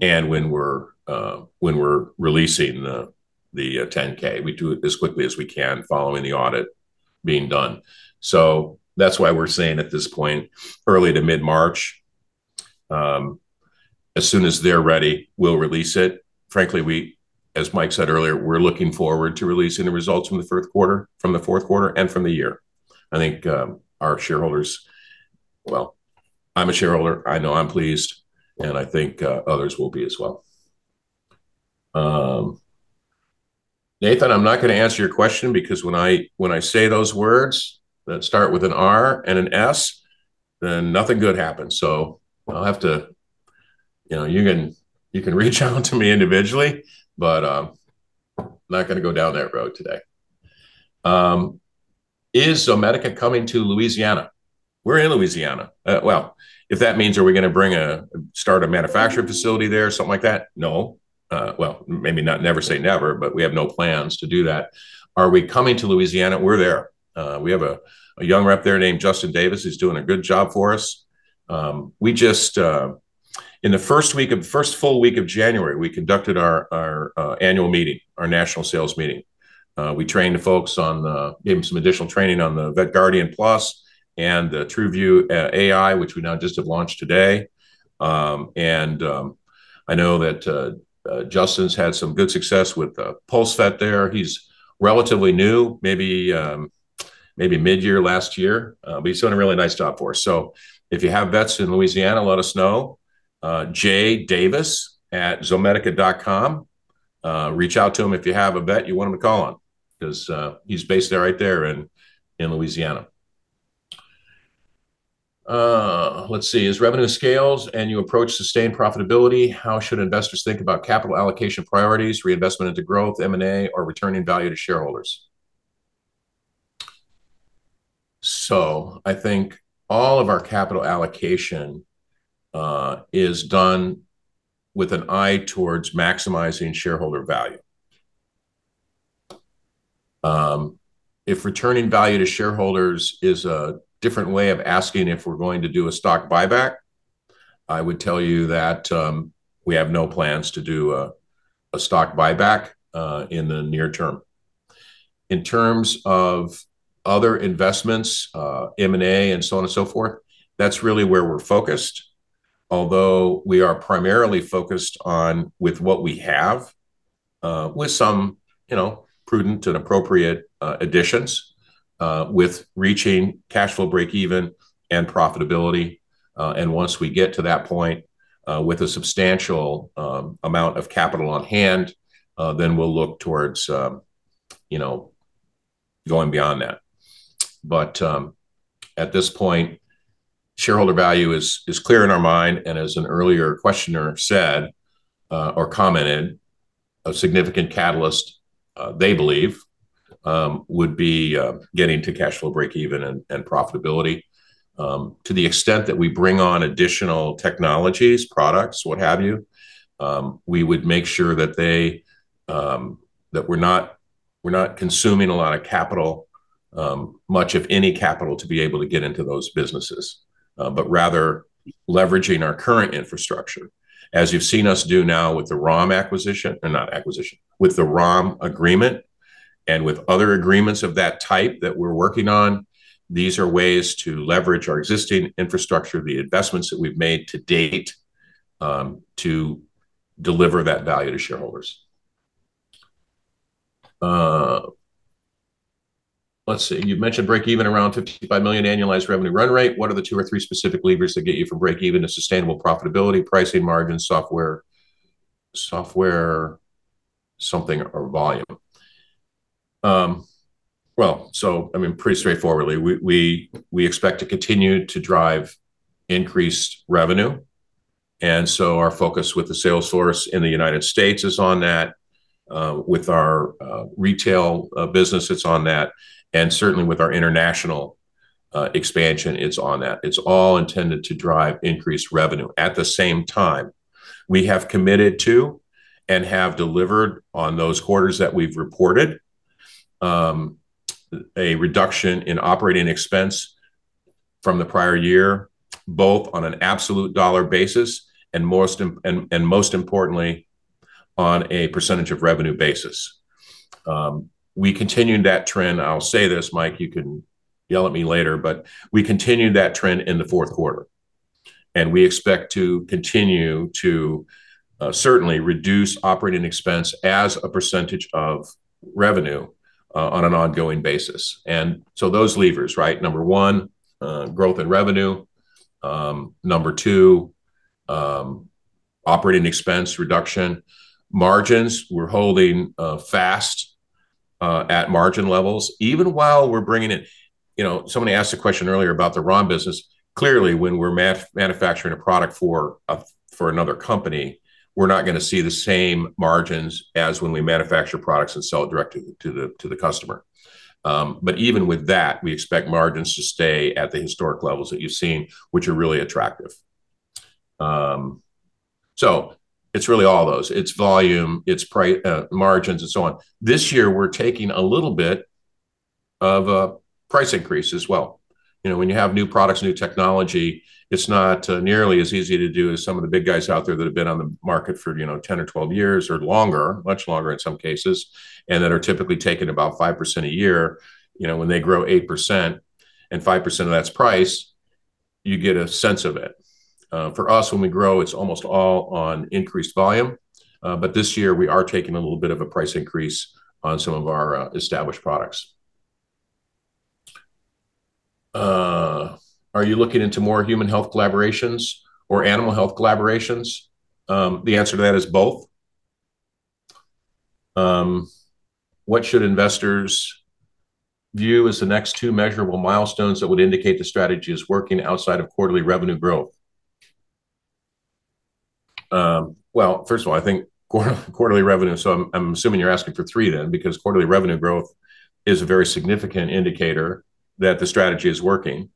Speaker 2: and when we're releasing the 10-K. We do it as quickly as we can following the audit being done. So, that's why we're saying at this point, early to mid-March, as soon as they're ready, we'll release it. Frankly, as Mike said earlier, we're looking forward to releasing the results from the fourth quarter and from the year. I think our shareholders, well, I'm a shareholder. I know I'm pleased, and I think others will be as well. Nathan, I'm not going to answer your question because when I say those words that start with an R and an S, then nothing good happens. So, I'll have to—you can reach out to me individually, but I'm not going to go down that road today. Is Zomedica coming to Louisiana? We're in Louisiana. Well, if that means are we going to start a manufacturing facility there, something like that? No. Well, maybe never say never, but we have no plans to do that. Are we coming to Louisiana? We're there. We have a young rep there named Justin Davis. He's doing a good job for us. In the first full week of January, we conducted our annual meeting, our national sales meeting. We trained the folks, gave them some additional training on the VetGuardian Plus and the TRUVIEW AI, which we now just have launched today. And I know that Justin's had some good success with PulseVet there. He's relatively new, maybe mid-year last year, but he's doing a really nice job for us. So, if you have vets in Louisiana, let us know. jdavis@zomedica.com. Reach out to him if you have a vet you want him to call on because he's based right there in Louisiana. Let's see. As revenue scales and you approach sustained profitability, how should investors think about capital allocation priorities, reinvestment into growth, M&A, or returning value to shareholders? So, I think all of our capital allocation is done with an eye towards maximizing shareholder value. If returning value to shareholders is a different way of asking if we're going to do a stock buyback, I would tell you that we have no plans to do a stock buyback in the near term. In terms of other investments, M&A, and so on and so forth, that's really where we're focused, although we are primarily focused on what we have with some prudent and appropriate additions, with reaching cash flow break even and profitability. And once we get to that point with a substantial amount of capital on hand, then we'll look towards going beyond that. But at this point, shareholder value is clear in our mind. And as an earlier questioner said or commented, a significant catalyst, they believe, would be getting to cash flow break even and profitability. To the extent that we bring on additional technologies, products, what have you, we would make sure that we're not consuming a lot of capital, much of any capital, to be able to get into those businesses, but rather leveraging our current infrastructure. As you've seen us do now with the Rom acquisition—not acquisition—with the Rom agreement and with other agreements of that type that we're working on, these are ways to leverage our existing infrastructure, the investments that we've made to date, to deliver that value to shareholders. Let's see. You mentioned break even around $55 million annualized revenue run rate. What are the two or three specific levers that get you from break even to sustainable profitability? Pricing margin, software, something, or volume. Well, so, I mean, pretty straightforwardly, we expect to continue to drive increased revenue. And so, our focus with the sales force in the United States is on that. With our retail business, it's on that. And certainly, with our international expansion, it's on that. It's all intended to drive increased revenue. At the same time, we have committed to and have delivered on those quarters that we've reported a reduction in operating expense from the prior year, both on an absolute dollar basis and, most importantly, on a percentage of revenue basis. We continued that trend. I'll say this, Mike, you can yell at me later, but we continued that trend in the fourth quarter. And we expect to continue to certainly reduce operating expense as a percentage of revenue on an ongoing basis. And so, those levers, right? Number one, growth and revenue. Number two, operating expense reduction. Margins, we're holding fast at margin levels. Even while we're bringing it, somebody asked a question earlier about the ROM business. Clearly, when we're manufacturing a product for another company, we're not going to see the same margins as when we manufacture products and sell it directly to the customer. But even with that, we expect margins to stay at the historic levels that you've seen, which are really attractive. So, it's really all those. It's volume, it's margins, and so on. This year, we're taking a little bit of a price increase as well. When you have new products, new technology, it's not nearly as easy to do as some of the big guys out there that have been on the market for 10 or 12 years or longer, much longer in some cases, and that are typically taking about 5% a year. When they grow 8% and 5% of that's price, you get a sense of it. For us, when we grow, it's almost all on increased volume. But this year, we are taking a little bit of a price increase on some of our established products. Are you looking into more human health collaborations or animal health collaborations? The answer to that is both. What should investors view as the next two measurable milestones that would indicate the strategy is working outside of quarterly revenue growth? Well, first of all, I think quarterly revenue, so I'm assuming you're asking for three then because quarterly revenue growth is a very significant indicator that the strategy is working.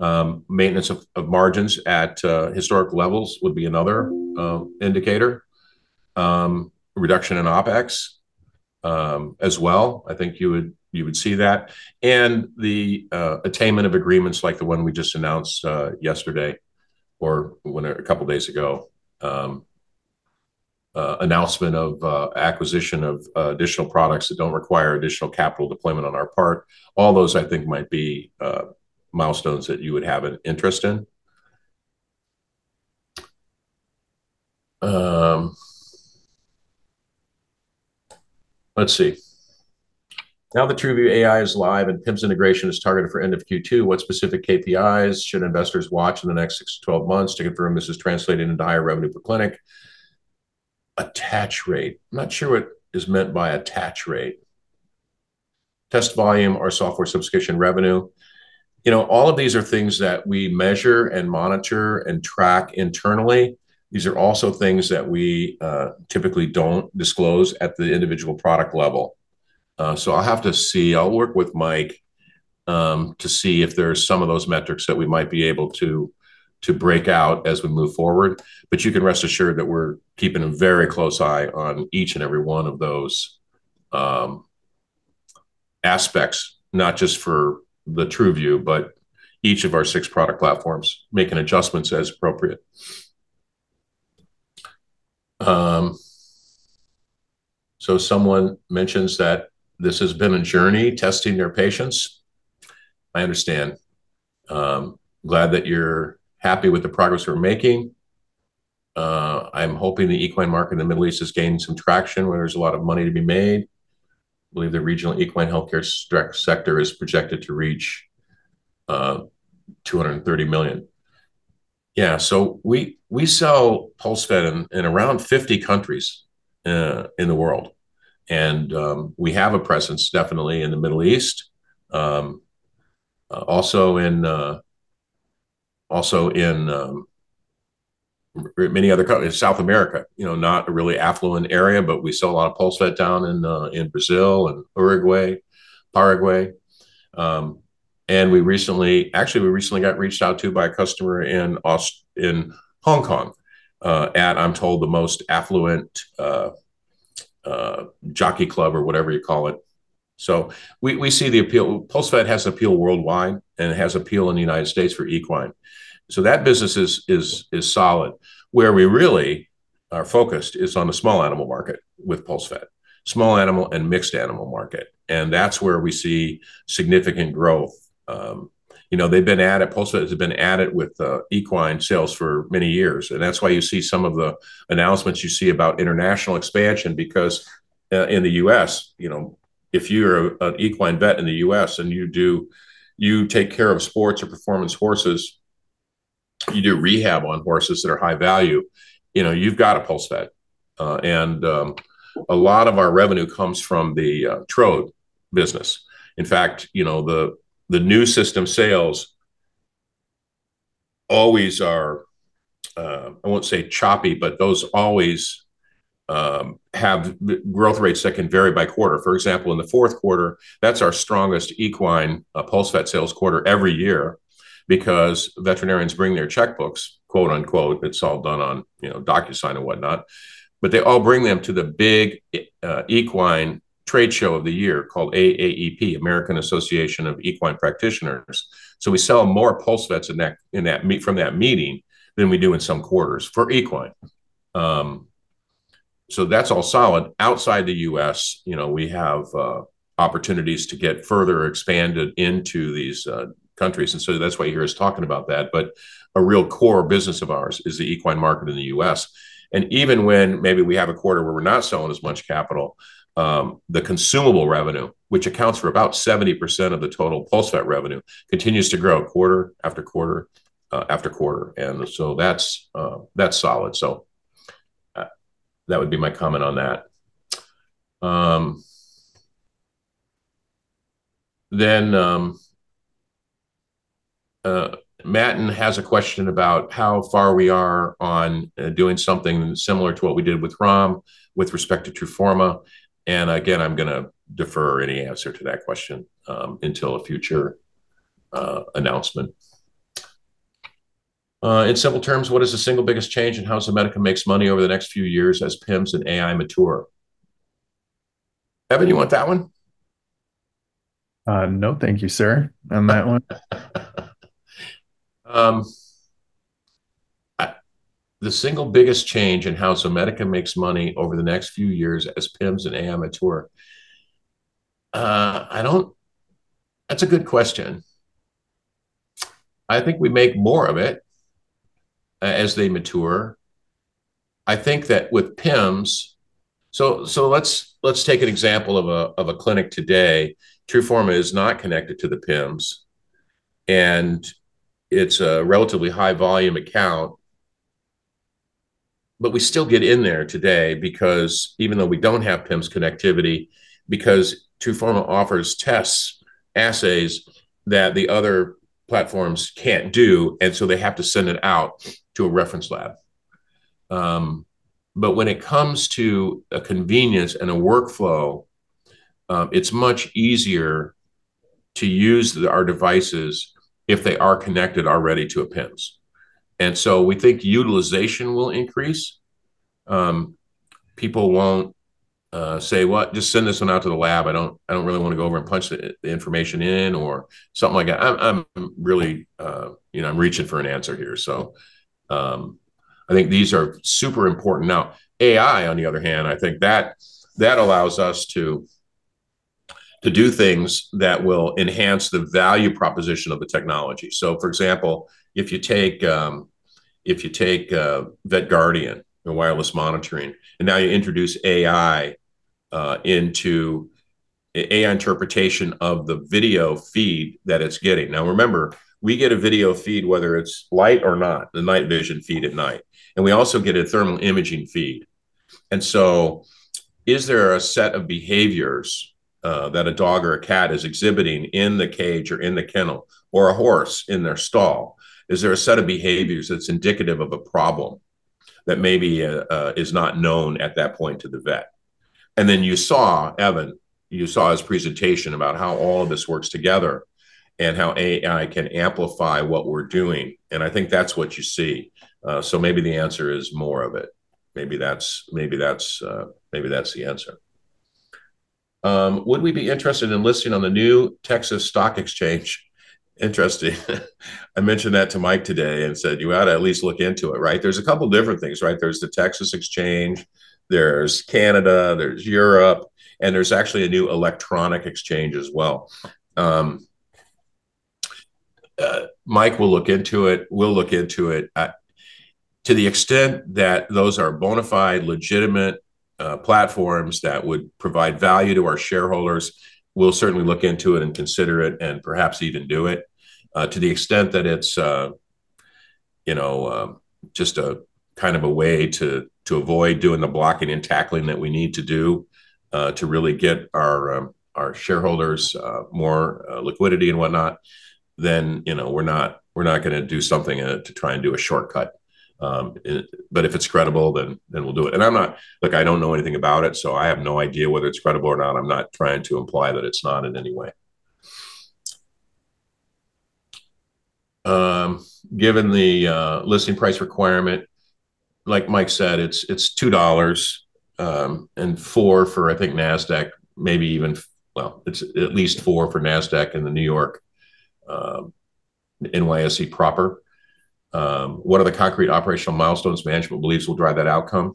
Speaker 2: Maintenance of margins at historic levels would be another indicator. Reduction in OpEx as well. I think you would see that. The attainment of agreements like the one we just announced yesterday or a couple of days ago, announcement of acquisition of additional products that don't require additional capital deployment on our part, all those, I think, might be milestones that you would have an interest in. Let's see. Now that TRUVIEW AI is live and PIMS integration is targeted for end of Q2, what specific KPIs should investors watch in the next 6-12 months to confirm this is translating into higher revenue per clinic? Attach rate. I'm not sure what is meant by attach rate. Test volume or software subscription revenue. All of these are things that we measure and monitor and track internally. These are also things that we typically don't disclose at the individual product level. So, I'll have to see. I'll work with Mike to see if there are some of those metrics that we might be able to break out as we move forward. But you can rest assured that we're keeping a very close eye on each and every one of those aspects, not just for the TRUVIEW, but each of our six product platforms, making adjustments as appropriate. Someone mentions that this has been a journey testing their patience. I understand. Glad that you're happy with the progress we're making. I'm hoping the equine market in the Middle East is gaining some traction where there's a lot of money to be made. I believe the regional equine healthcare sector is projected to reach $230 million. Yeah. So, we sell PulseVet in around 50 countries in the world. We have a presence definitely in the Middle East, also in many other countries, South America, not a really affluent area, but we sell a lot of PulseVet down in Brazil and Uruguay, Paraguay. And actually, we recently got reached out to by a customer in Hong Kong at, I'm told, the most affluent Jockey Club or whatever you call it. So, we see the appeal. PulseVet has appeal worldwide, and it has appeal in the United States for equine. So, that business is solid. Where we really are focused is on the small animal market with PulseVet, small animal and mixed animal market. And that's where we see significant growth. They've been added, PulseVet has been added with equine sales for many years. That's why you see some of the announcements you see about international expansion because in the U.S., if you're an equine vet in the U.S. and you take care of sports or performance horses, you do rehab on horses that are high value. You've got a PulseVet. And a lot of our revenue comes from the Trode business. In fact, the new system sales always are. I won't say choppy, but those always have growth rates that can vary by quarter. For example, in the fourth quarter, that's our strongest equine PulseVet sales quarter every year because veterinarians bring their checkbooks, quote-unquote. It's all done on DocuSign and whatnot. But they all bring them to the big equine trade show of the year called AAEP, American Association of Equine Practitioners. So, we sell more PulseVets from that meeting than we do in some quarters for equine. So, that's all solid. Outside the US, we have opportunities to get further expanded into these countries. And so, that's why you hear us talking about that. But a real core business of ours is the equine market in the US. And even when maybe we have a quarter where we're not selling as much capital, the consumable revenue, which accounts for about 70% of the total PulseVet revenue, continues to grow quarter after quarter after quarter. And so, that's solid. So, that would be my comment on that. Then, Matt has a question about how far we are on doing something similar to what we did with ROM with respect to TRUFORMA. And again, I'm going to defer any answer to that question until a future announcement. In simple terms, what is the single biggest change in how Zomedica makes money over the next few years as PIMS and AI mature? Evan, you want that one?
Speaker 4: No, thank you, sir, on that one.
Speaker 2: The single biggest change in how Zomedica makes money over the next few years as PIMS and AI mature? That's a good question. I think we make more of it as they mature. I think that with PIMS—so let's take an example of a clinic today. TRUFORMA is not connected to the PIMS, and it's a relatively high volume account. But we still get in there today because even though we don't have PIMS connectivity, TRUFORMA offers tests, assays that the other platforms can't do. And so, they have to send it out to a reference lab. But when it comes to a convenience and a workflow, it's much easier to use our devices if they are connected already to a PIMS. And so, we think utilization will increase. People won't say, "Well, just send this one out to the lab. I don't really want to go over and punch the information in," or something like that. I'm really-I'm reaching for an answer here. So, I think these are super important. Now, AI, on the other hand, I think that allows us to do things that will enhance the value proposition of the technology. So, for example, if you take VetGuardian, the wireless monitoring, and now you introduce AI interpretation of the video feed that it's getting. Now, remember, we get a video feed, whether it's light or not, the night vision feed at night. And we also get a thermal imaging feed. And so, is there a set of behaviors that a dog or a cat is exhibiting in the cage or in the kennel or a horse in their stall? Is there a set of behaviors that's indicative of a problem that maybe is not known at that point to the vet? And then you saw, Evan, you saw his presentation about how all of this works together and how AI can amplify what we're doing. And I think that's what you see. So, maybe the answer is more of it. Maybe that's the answer. Would we be interested in listing on the new Texas Stock Exchange? Interesting. I mentioned that to Mike today and said, "You ought to at least look into it," right? There's a couple of different things, right? There's the Texas Exchange, there's Canada, there's Europe, and there's actually a new electronic exchange as well. Mike will look into it. We'll look into it. To the extent that those are bona fide, legitimate platforms that would provide value to our shareholders, we'll certainly look into it and consider it and perhaps even do it. To the extent that it's just a kind of a way to avoid doing the blocking and tackling that we need to do to really get our shareholders more liquidity and whatnot, then we're not going to do something to try and do a shortcut. But if it's credible, then we'll do it. And I'm not, look, I don't know anything about it, so I have no idea whether it's credible or not. I'm not trying to imply that it's not in any way. Given the listing price requirement, like Mike said, it's $2 and $4 for, I think, NASDAQ, maybe even, well, it's at least $4 for NASDAQ and the New York NYSE proper. What are the concrete operational milestones management believes will drive that outcome?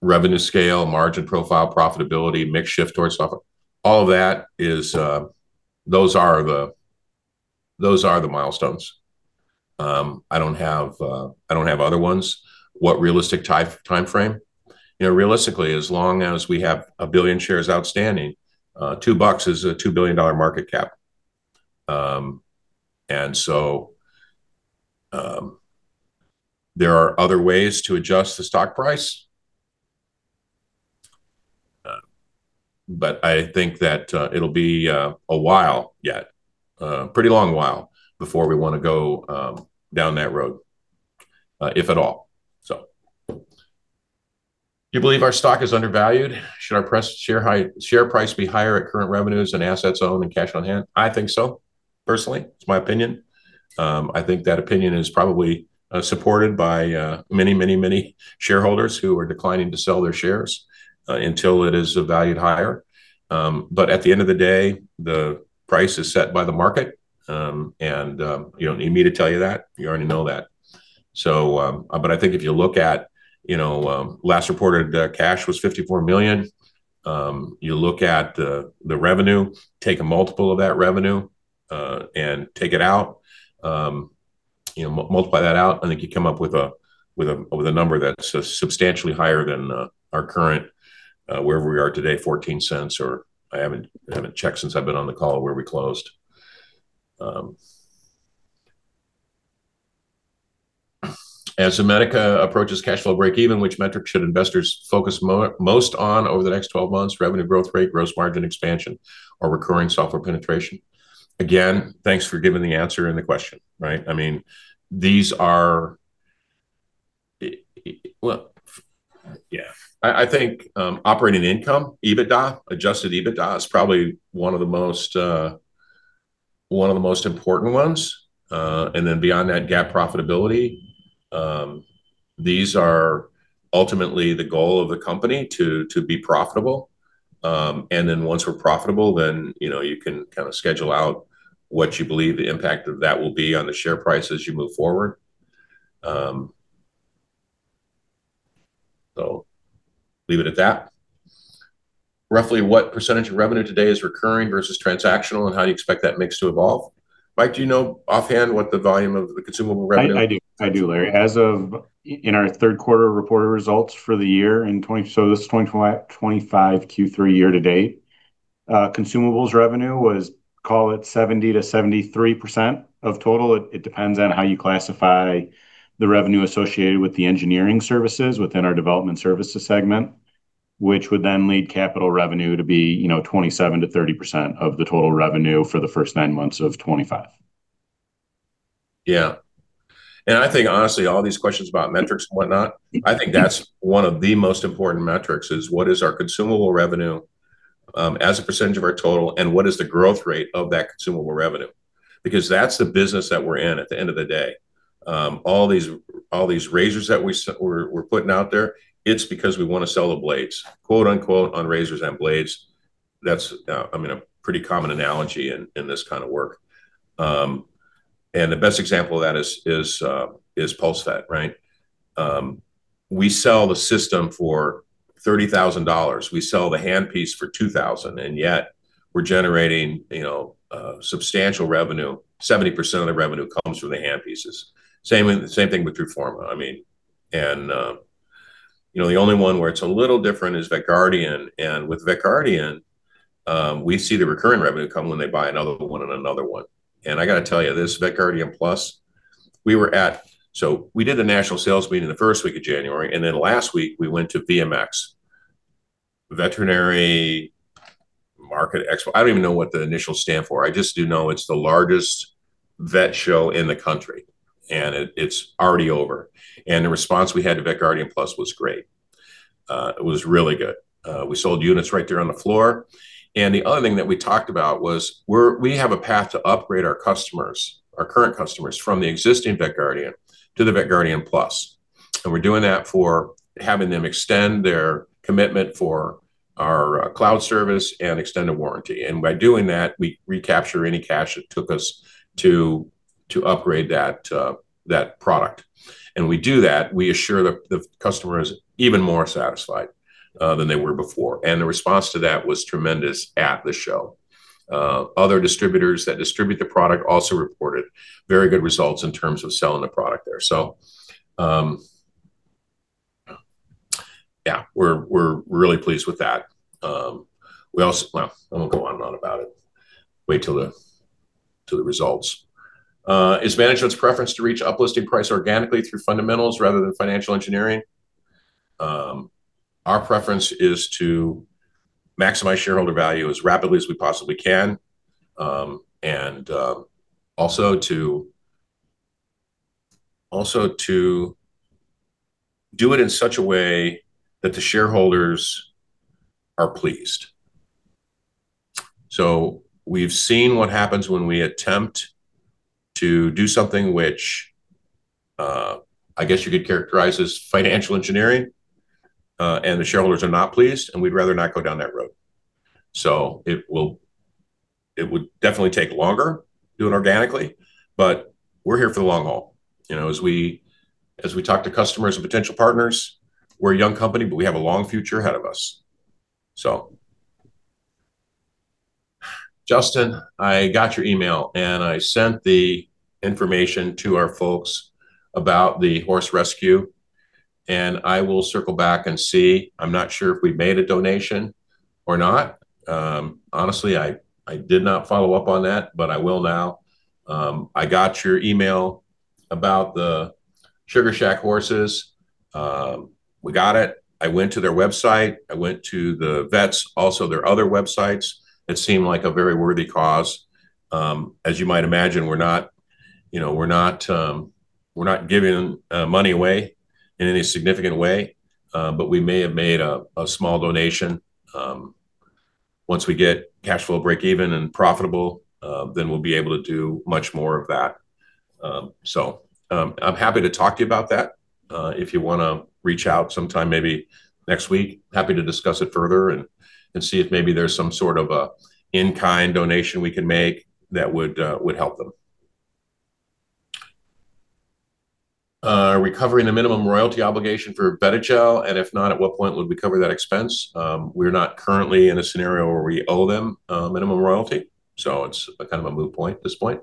Speaker 2: Revenue scale, margin profile, profitability, mix shift towards software—all of that is—those are the milestones. I don't have other ones. What realistic timeframe? Realistically, as long as we have 1 billion shares outstanding, $2 is a $2 billion market cap. And so, there are other ways to adjust the stock price. But I think that it'll be a while yet, a pretty long while before we want to go down that road, if at all, so. Do you believe our stock is undervalued? Should our share price be higher at current revenues and assets owned and cash on hand? I think so, personally. It's my opinion. I think that opinion is probably supported by many, many, many shareholders who are declining to sell their shares until it is valued higher. But at the end of the day, the price is set by the market. And you don't need me to tell you that. You already know that. But I think if you look at last reported cash was $54 million, you look at the revenue, take a multiple of that revenue, and take it out, multiply that out, I think you come up with a number that's substantially higher than our current, wherever we are today, $0.14 or—I haven't checked since I've been on the call where we closed. As Zomedica approaches cash flow break-even, which metric should investors focus most on over the next 12 months? Revenue growth rate, gross margin expansion, or recurring software penetration? Again, thanks for giving the answer in the question, right? I mean, these are—well, yeah. I think operating income, EBITDA, Adjusted EBITDA is probably one of the most important ones. And then beyond that, GAAP profitability. These are ultimately the goal of the company to be profitable. And then once we're profitable, then you can kind of schedule out what you believe the impact of that will be on the share price as you move forward. So leave it at that. Roughly what percentage of revenue today is recurring versus transactional, and how do you expect that mix to evolve? Mike, do you know offhand what the volume of the consumable revenue?
Speaker 5: I do, Larry. As of in our third quarter reported results for the year, so this is 2025 Q3 year to date, consumables revenue was, call it 70%-73% of total. It depends on how you classify the revenue associated with the engineering services within our development services segment, which would then lead capital revenue to be 27%-30% of the total revenue for the first nine months of 2025.
Speaker 2: Yeah. I think, honestly, all these questions about metrics and whatnot, I think that's one of the most important metrics is what is our consumable revenue as a percentage of our total, and what is the growth rate of that consumable revenue? Because that's the business that we're in at the end of the day. All these razors that we're putting out there, it's because we want to sell the blades, quote-unquote, on razors and blades. That's, I mean, a pretty common analogy in this kind of work. And the best example of that is PulseVet, right? We sell the system for $30,000. We sell the handpiece for $2,000, and yet we're generating substantial revenue. 70% of the revenue comes from the handpieces. Same thing with TRUFORMA, I mean. And the only one where it's a little different is VetGuardian. With VetGuardian, we see the recurring revenue come when they buy another one and another one. I got to tell you this, VetGuardian Plus, we were at, so we did the national sales meeting the first week of January, and then last week we went to VMX, Veterinary Meeting & Expo. I don't even know what the initials stand for. I just do know it's the largest vet show in the country, and it's already over. The response we had to VetGuardian Plus was great. It was really good. We sold units right there on the floor. The other thing that we talked about was we have a path to upgrade our customers, our current customers, from the existing VetGuardian to the VetGuardian Plus. We're doing that for having them extend their commitment for our cloud service and extend the warranty. By doing that, we recapture any cash it took us to upgrade that product. And when we do that, we assure the customers even more satisfied than they were before. And the response to that was tremendous at the show. Other distributors that distribute the product also reported very good results in terms of selling the product there. So, yeah, we're really pleased with that. Well, I'm going to go on and on about it. Wait till the results. Is management's preference to reach uplisting price organically through fundamentals rather than financial engineering? Our preference is to maximize shareholder value as rapidly as we possibly can and also to do it in such a way that the shareholders are pleased. So we've seen what happens when we attempt to do something which I guess you could characterize as financial engineering, and the shareholders are not pleased, and we'd rather not go down that road. So it would definitely take longer doing organically, but we're here for the long haul. As we talk to customers and potential partners, we're a young company, but we have a long future ahead of us, so. Justin, I got your email, and I sent the information to our folks about the horse rescue. I will circle back and see. I'm not sure if we made a donation or not. Honestly, I did not follow up on that, but I will now. I got your email about the Sugar Shack horses. We got it. I went to their website. I went to the vets, also their other websites. It seemed like a very worthy cause. As you might imagine, we're not giving money away in any significant way, but we may have made a small donation. Once we get cash flow break-even and profitable, then we'll be able to do much more of that. So I'm happy to talk to you about that. If you want to reach out sometime maybe next week, happy to discuss it further and see if maybe there's some sort of an in-kind donation we can make that would help them. Are we covering the minimum royalty obligation for VETIGEL? And if not, at what point would we cover that expense? We're not currently in a scenario where we owe them minimum royalty, so it's kind of a moot point at this point.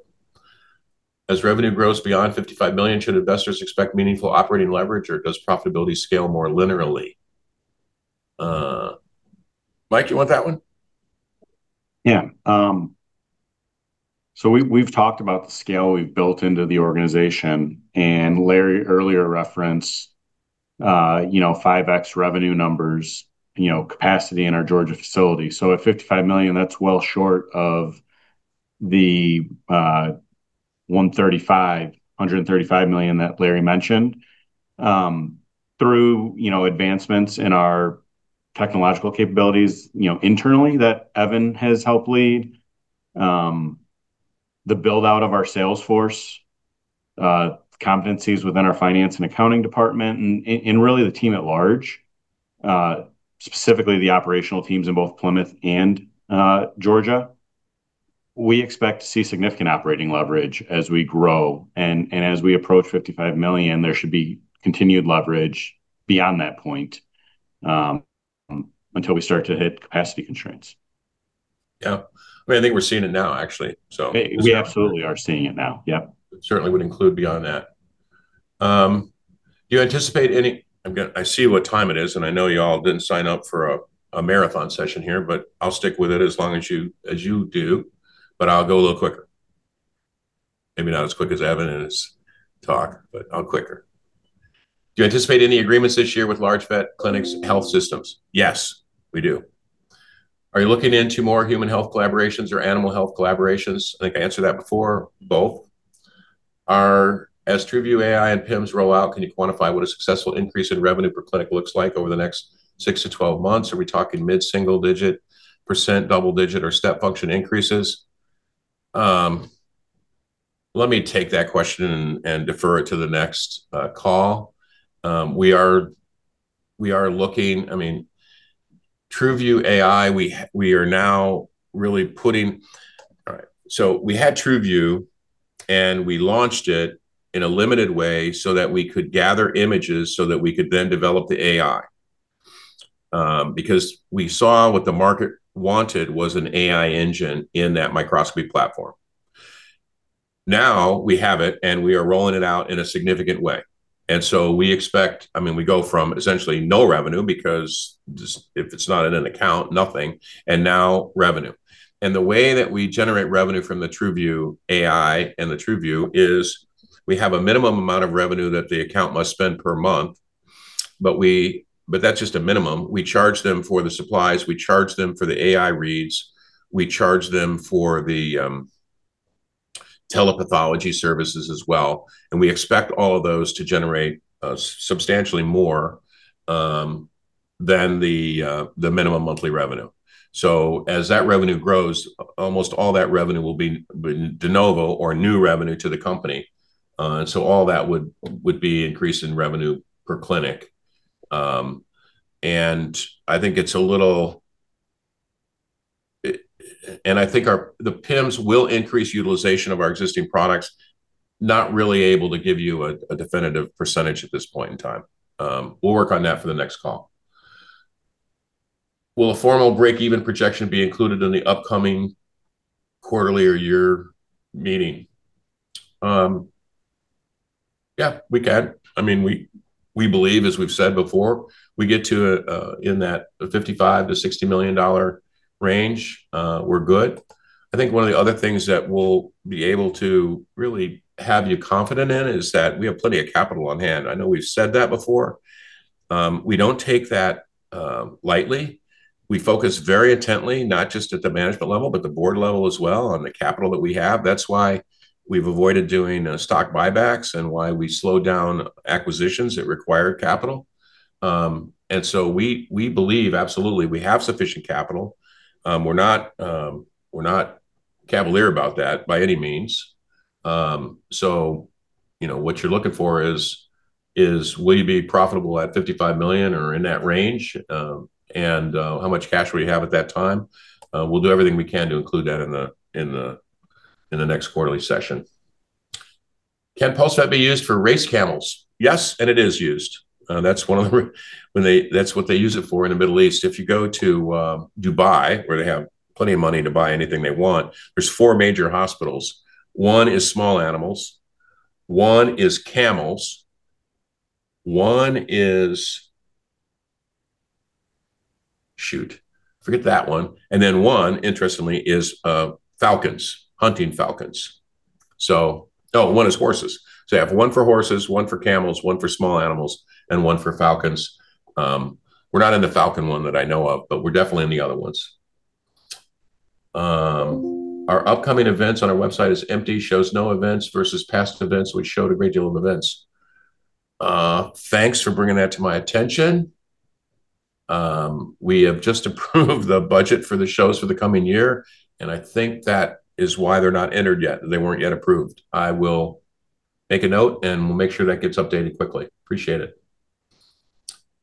Speaker 2: As revenue grows beyond $55 million, should investors expect meaningful operating leverage, or does profitability scale more linearly? Mike, you want that one?
Speaker 5: Yeah. So we've talked about the scale we've built into the organization. And Larry earlier referenced 5X revenue numbers, capacity in our Georgia facility. So at $55 million, that's well short of the $135 million that Larry mentioned. Through advancements in our technological capabilities internally that Evan has helped lead, the build-out of our sales force, competencies within our finance and accounting department, and really the team at large, specifically the operational teams in both Plymouth and Georgia, we expect to see significant operating leverage as we grow. And as we approach $55 million, there should be continued leverage beyond that point until we start to hit capacity constraints.
Speaker 2: Yeah. I mean, I think we're seeing it now, actually, so.
Speaker 5: We absolutely are seeing it now. Yep.
Speaker 2: It certainly would include beyond that. Do you anticipate any—I see what time it is, and I know you all didn't sign up for a marathon session here, but I'll stick with it as long as you do, but I'll go a little quicker. Maybe not as quick as Evan and his talk, but I'll quicker. Do you anticipate any agreements this year with large vet clinics' health systems? Yes, we do. Are you looking into more human health collaborations or animal health collaborations? I think I answered that before. Both. As TRUVIEW AI and PIMS roll out, can you quantify what a successful increase in revenue per clinic looks like over the next 6-12 months? Are we talking mid-single digit %, double digit, or step function increases? Let me take that question and defer it to the next call. I mean, TRUVIEW AI, we are now really putting, all right. So we had TRUVIEW, and we launched it in a limited way so that we could gather images so that we could then develop the AI. Because we saw what the market wanted was an AI engine in that microscopy platform. Now we have it, and we are rolling it out in a significant way. And so we expect, I mean, we go from essentially no revenue because if it's not in an account, nothing, and now revenue. And the way that we generate revenue from the TRUVIEW AI and the TRUVIEW is we have a minimum amount of revenue that the account must spend per month, but that's just a minimum. We charge them for the supplies. We charge them for the AI reads. We charge them for the telepathology services as well. We expect all of those to generate substantially more than the minimum monthly revenue. So as that revenue grows, almost all that revenue will be de novo or new revenue to the company. And so all that would be increased in revenue per clinic. And I think it's a little—and I think the PIMS will increase utilization of our existing products, not really able to give you a definitive percentage at this point in time. We'll work on that for the next call. Will a formal break-even projection be included in the upcoming quarterly or year meeting? Yeah, we can. I mean, we believe, as we've said before, we get to in that $55 million-$60 million range, we're good. I think one of the other things that we'll be able to really have you confident in is that we have plenty of capital on hand. I know we've said that before. We don't take that lightly. We focus very intently, not just at the management level, but the board level as well, on the capital that we have. That's why we've avoided doing stock buybacks and why we slowed down acquisitions that required capital. And so we believe, absolutely, we have sufficient capital. We're not cavalier about that by any means. So what you're looking for is, will you be profitable at $55 million or in that range, and how much cash will you have at that time? We'll do everything we can to include that in the next quarterly session. Can PulseVet be used for race camels? Yes, and it is used. That's one of the—that's what they use it for in the Middle East. If you go to Dubai, where they have plenty of money to buy anything they want, there's four major hospitals. One is small animals. One is camels. One is - shoot. Forget that one. And then one, interestingly, is falcons, hunting falcons. So no, one is horses. So you have one for horses, one for camels, one for small animals, and one for falcons. We're not in the falcon one that I know of, but we're definitely in the other ones. Our upcoming events on our website is empty, shows no events versus past events. We showed a great deal of events. Thanks for bringing that to my attention. We have just approved the budget for the shows for the coming year, and I think that is why they're not entered yet. They weren't yet approved. I will make a note, and we'll make sure that gets updated quickly. Appreciate it.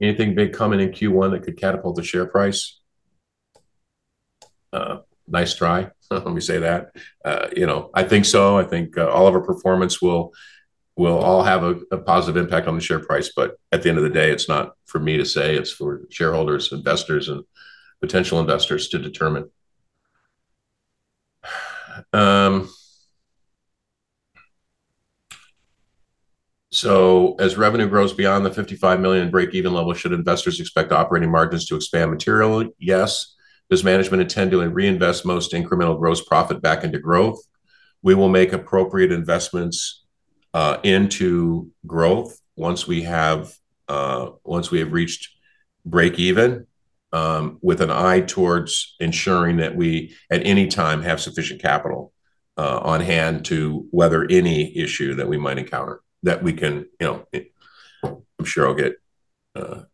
Speaker 2: Anything big coming in Q1 that could catapult the share price? Nice try. Let me say that. I think so. I think all of our performance will all have a positive impact on the share price, but at the end of the day, it's not for me to say. It's for shareholders, investors, and potential investors to determine. So as revenue grows beyond the $55 million break-even level, should investors expect operating margins to expand materially? Yes. Does management intend to reinvest most incremental gross profit back into growth? We will make appropriate investments into growth once we have reached break-even with an eye towards ensuring that we at any time have sufficient capital on hand to weather any issue that we might encounter that we can. I'm sure I'll get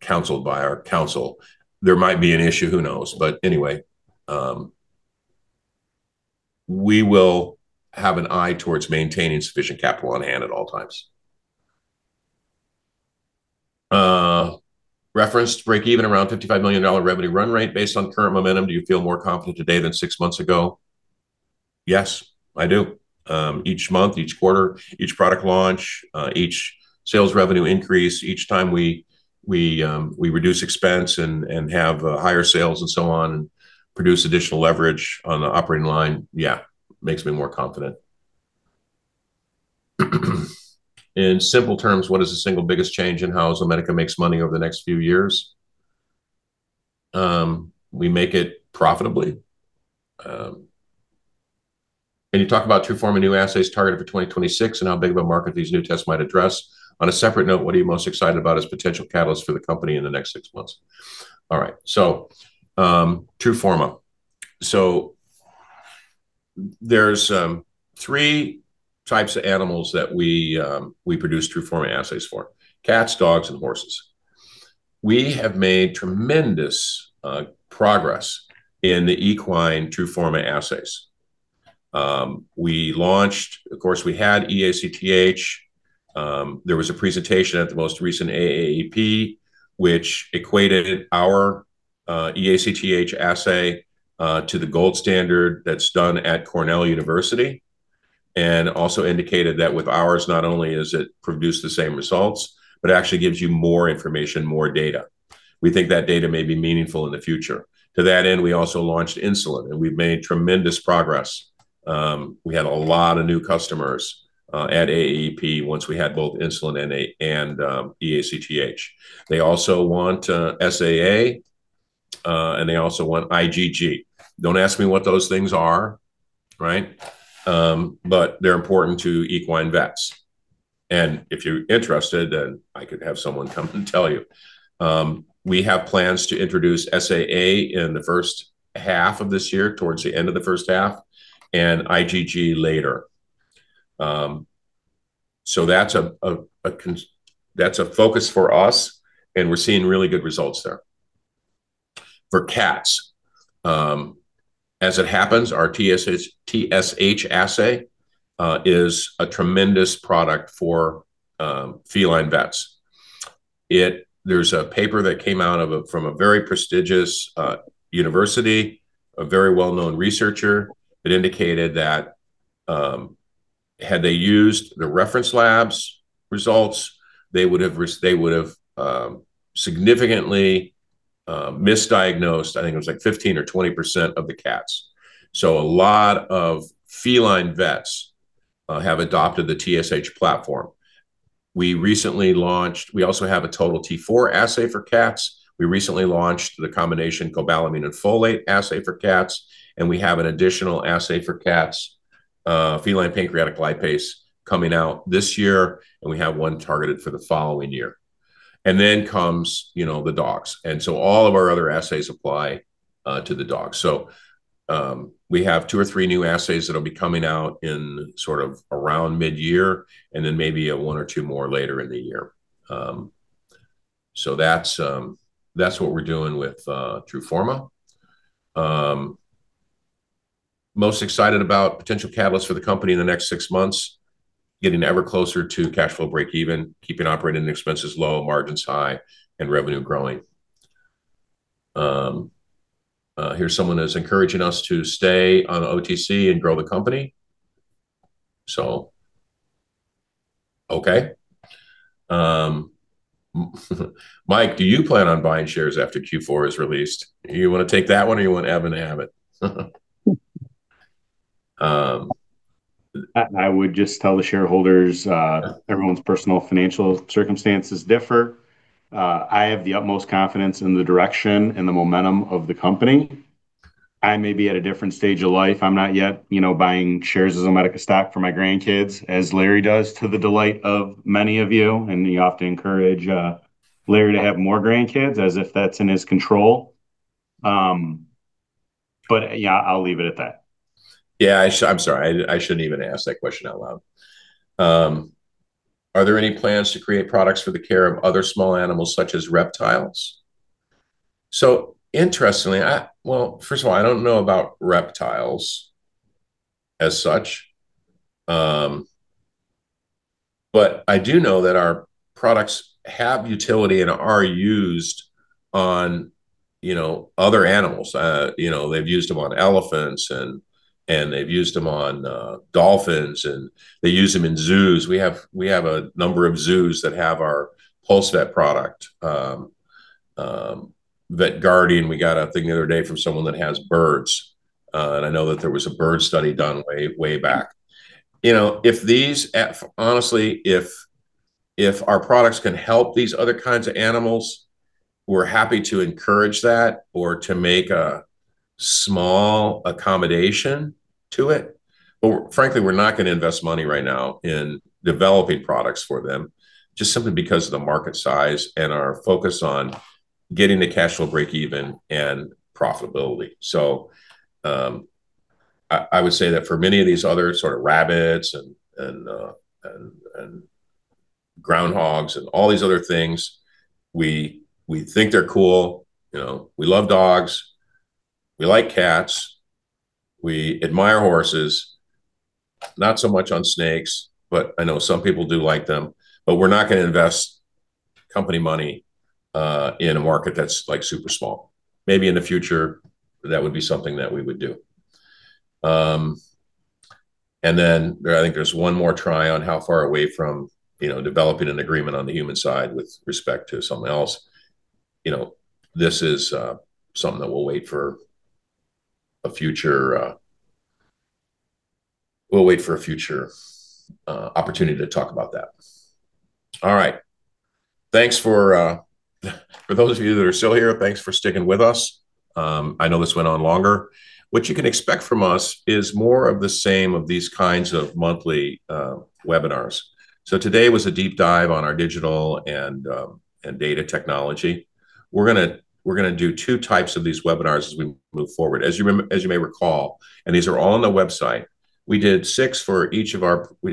Speaker 2: counseled by our counsel. There might be an issue. Who knows? But anyway, we will have an eye towards maintaining sufficient capital on hand at all times. Reference break-even around $55 million revenue run rate based on current momentum. Do you feel more confident today than six months ago? Yes, I do. Each month, each quarter, each product launch, each sales revenue increase, each time we reduce expense and have higher sales and so on and produce additional leverage on the operating line, yeah, makes me more confident. In simple terms, what is the single biggest change in how Zomedica makes money over the next few years? We make it profitably. Can you talk about TRUFORMA new assets targeted for 2026 and how big of a market these new tests might address? On a separate note, what are you most excited about as potential catalysts for the company in the next six months? All right. So TRUFORMA. So there's three types of animals that we produce TRUFORMA assays for: cats, dogs, and horses. We have made tremendous progress in the equine TRUFORMA assays. Of course, we had eACTH. There was a presentation at the most recent AAEP, which equated our eACTH assay to the gold standard that's done at Cornell University and also indicated that with ours, not only does it produce the same results, but it actually gives you more information, more data. We think that data may be meaningful in the future. To that end, we also launched insulin, and we've made tremendous progress. We had a lot of new customers at AAEP once we had both insulin and eACTH. They also want SAA, and they also want IgG. Don't ask me what those things are, right? But they're important to equine vets. And if you're interested, then I could have someone come and tell you. We have plans to introduce SAA in the first half of this year, towards the end of the first half, and IgG later. So that's a focus for us, and we're seeing really good results there. For cats, as it happens, our TSH assay is a tremendous product for feline vets. There's a paper that came out from a very prestigious university, a very well-known researcher. It indicated that had they used the reference labs results, they would have significantly misdiagnosed, I think it was like 15% or 20% of the cats. So a lot of feline vets have adopted the TSH platform. We recently launched, we also have a Total T4 assay for cats. We recently launched the combination cobalamin and folate assay for cats, and we have an additional assay for cats, feline pancreatic lipase coming out this year, and we have one targeted for the following year. And then comes the dogs. And so all of our other assays apply to the dogs. So we have 2 or 3 new assays that will be coming out in sort of around mid-year and then maybe 1 or 2 more later in the year. So that's what we're doing with TRUFORMA. Most excited about potential catalysts for the company in the next 6 months, getting ever closer to cash flow break-even, keeping operating expenses low, margins high, and revenue growing. Here's someone who's encouraging us to stay on OTC and grow the company. So, okay. Mike, do you plan on buying shares after Q4 is released? You want to take that one, or you want Evan to have it?
Speaker 5: I would just tell the shareholders everyone's personal financial circumstances differ. I have the utmost confidence in the direction and the momentum of the company. I may be at a different stage of life. I'm not yet buying shares of Zomedica stock for my grandkids, as Larry does to the delight of many of you. You often encourage Larry to have more grandkids as if that's in his control. Yeah, I'll leave it at that.
Speaker 2: Yeah. I'm sorry. I shouldn't even ask that question out loud. Are there any plans to create products for the care of other small animals such as reptiles? So interestingly, well, first of all, I don't know about reptiles as such, but I do know that our products have utility and are used on other animals. They've used them on elephants, and they've used them on dolphins, and they use them in zoos. We have a number of zoos that have our PulseVet product. VetGuardian, we got a thing the other day from someone that has birds. And I know that there was a bird study done way back. Honestly, if our products can help these other kinds of animals, we're happy to encourage that or to make a small accommodation to it. But frankly, we're not going to invest money right now in developing products for them, just simply because of the market size and our focus on getting the cash flow break-even and profitability. So I would say that for many of these other sort of rabbits and groundhogs and all these other things, we think they're cool. We love dogs. We like cats. We admire horses, not so much on snakes, but I know some people do like them. But we're not going to invest company money in a market that's super small. Maybe in the future, that would be something that we would do. And then I think there's one more try on how far away from developing an agreement on the human side with respect to something else. This is something that we'll wait for a future—we'll wait for a future opportunity to talk about that. All right. Thanks for those of you that are still here. Thanks for sticking with us. I know this went on longer. What you can expect from us is more of the same of these kinds of monthly webinars. So today was a deep dive on our digital and data technology. We're going to do two types of these webinars as we move forward. As you may recall, and these are all on the website, we did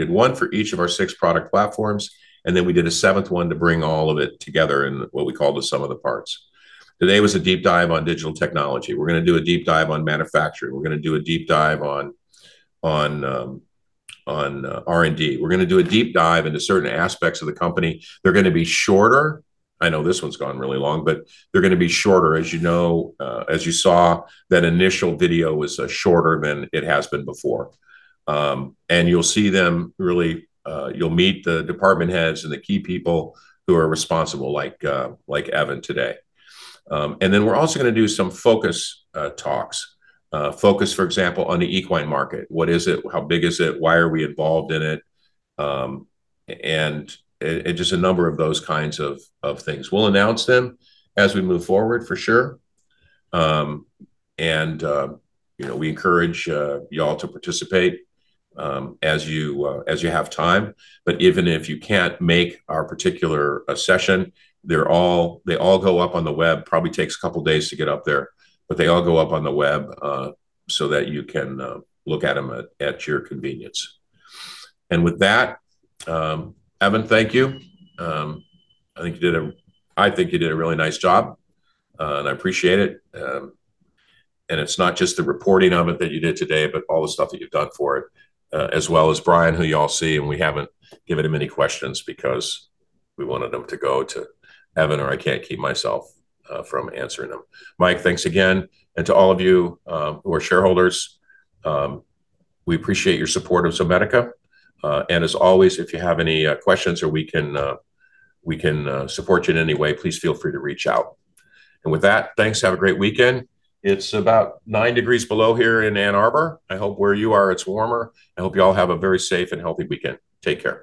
Speaker 2: one for each of our six product platforms, and then we did a seventh one to bring all of it together in what we call the sum of the parts. Today was a deep dive on digital technology. We're going to do a deep dive on manufacturing. We're going to do a deep dive on R&D. We're going to do a deep dive into certain aspects of the company. They're going to be shorter. I know this one's gone really long, but they're going to be shorter. As you know, as you saw, that initial video was shorter than it has been before. You'll see them really, you'll meet the department heads and the key people who are responsible, like Evan today. Then we're also going to do some focus talks, for example, on the equine market. What is it? How big is it? Why are we involved in it? Just a number of those kinds of things. We'll announce them as we move forward, for sure. We encourage y'all to participate as you have time. But even if you can't make our particular session, they all go up on the web. Probably takes a couple of days to get up there, but they all go up on the web so that you can look at them at your convenience. And with that, Evan, thank you. I think you did a—I think you did a really nice job, and I appreciate it. And it's not just the reporting of it that you did today, but all the stuff that you've done for it, as well as Brian, who y'all see, and we haven't given him any questions because we wanted him to go to Evan, or I can't keep myself from answering them. Mike, thanks again. And to all of you who are shareholders, we appreciate your support of Zomedica. And as always, if you have any questions or we can support you in any way, please feel free to reach out. And with that, thanks. Have a great weekend. It's about 9 degrees below here in Ann Arbor. I hope where you are, it's warmer. I hope y'all have a very safe and healthy weekend. Take care.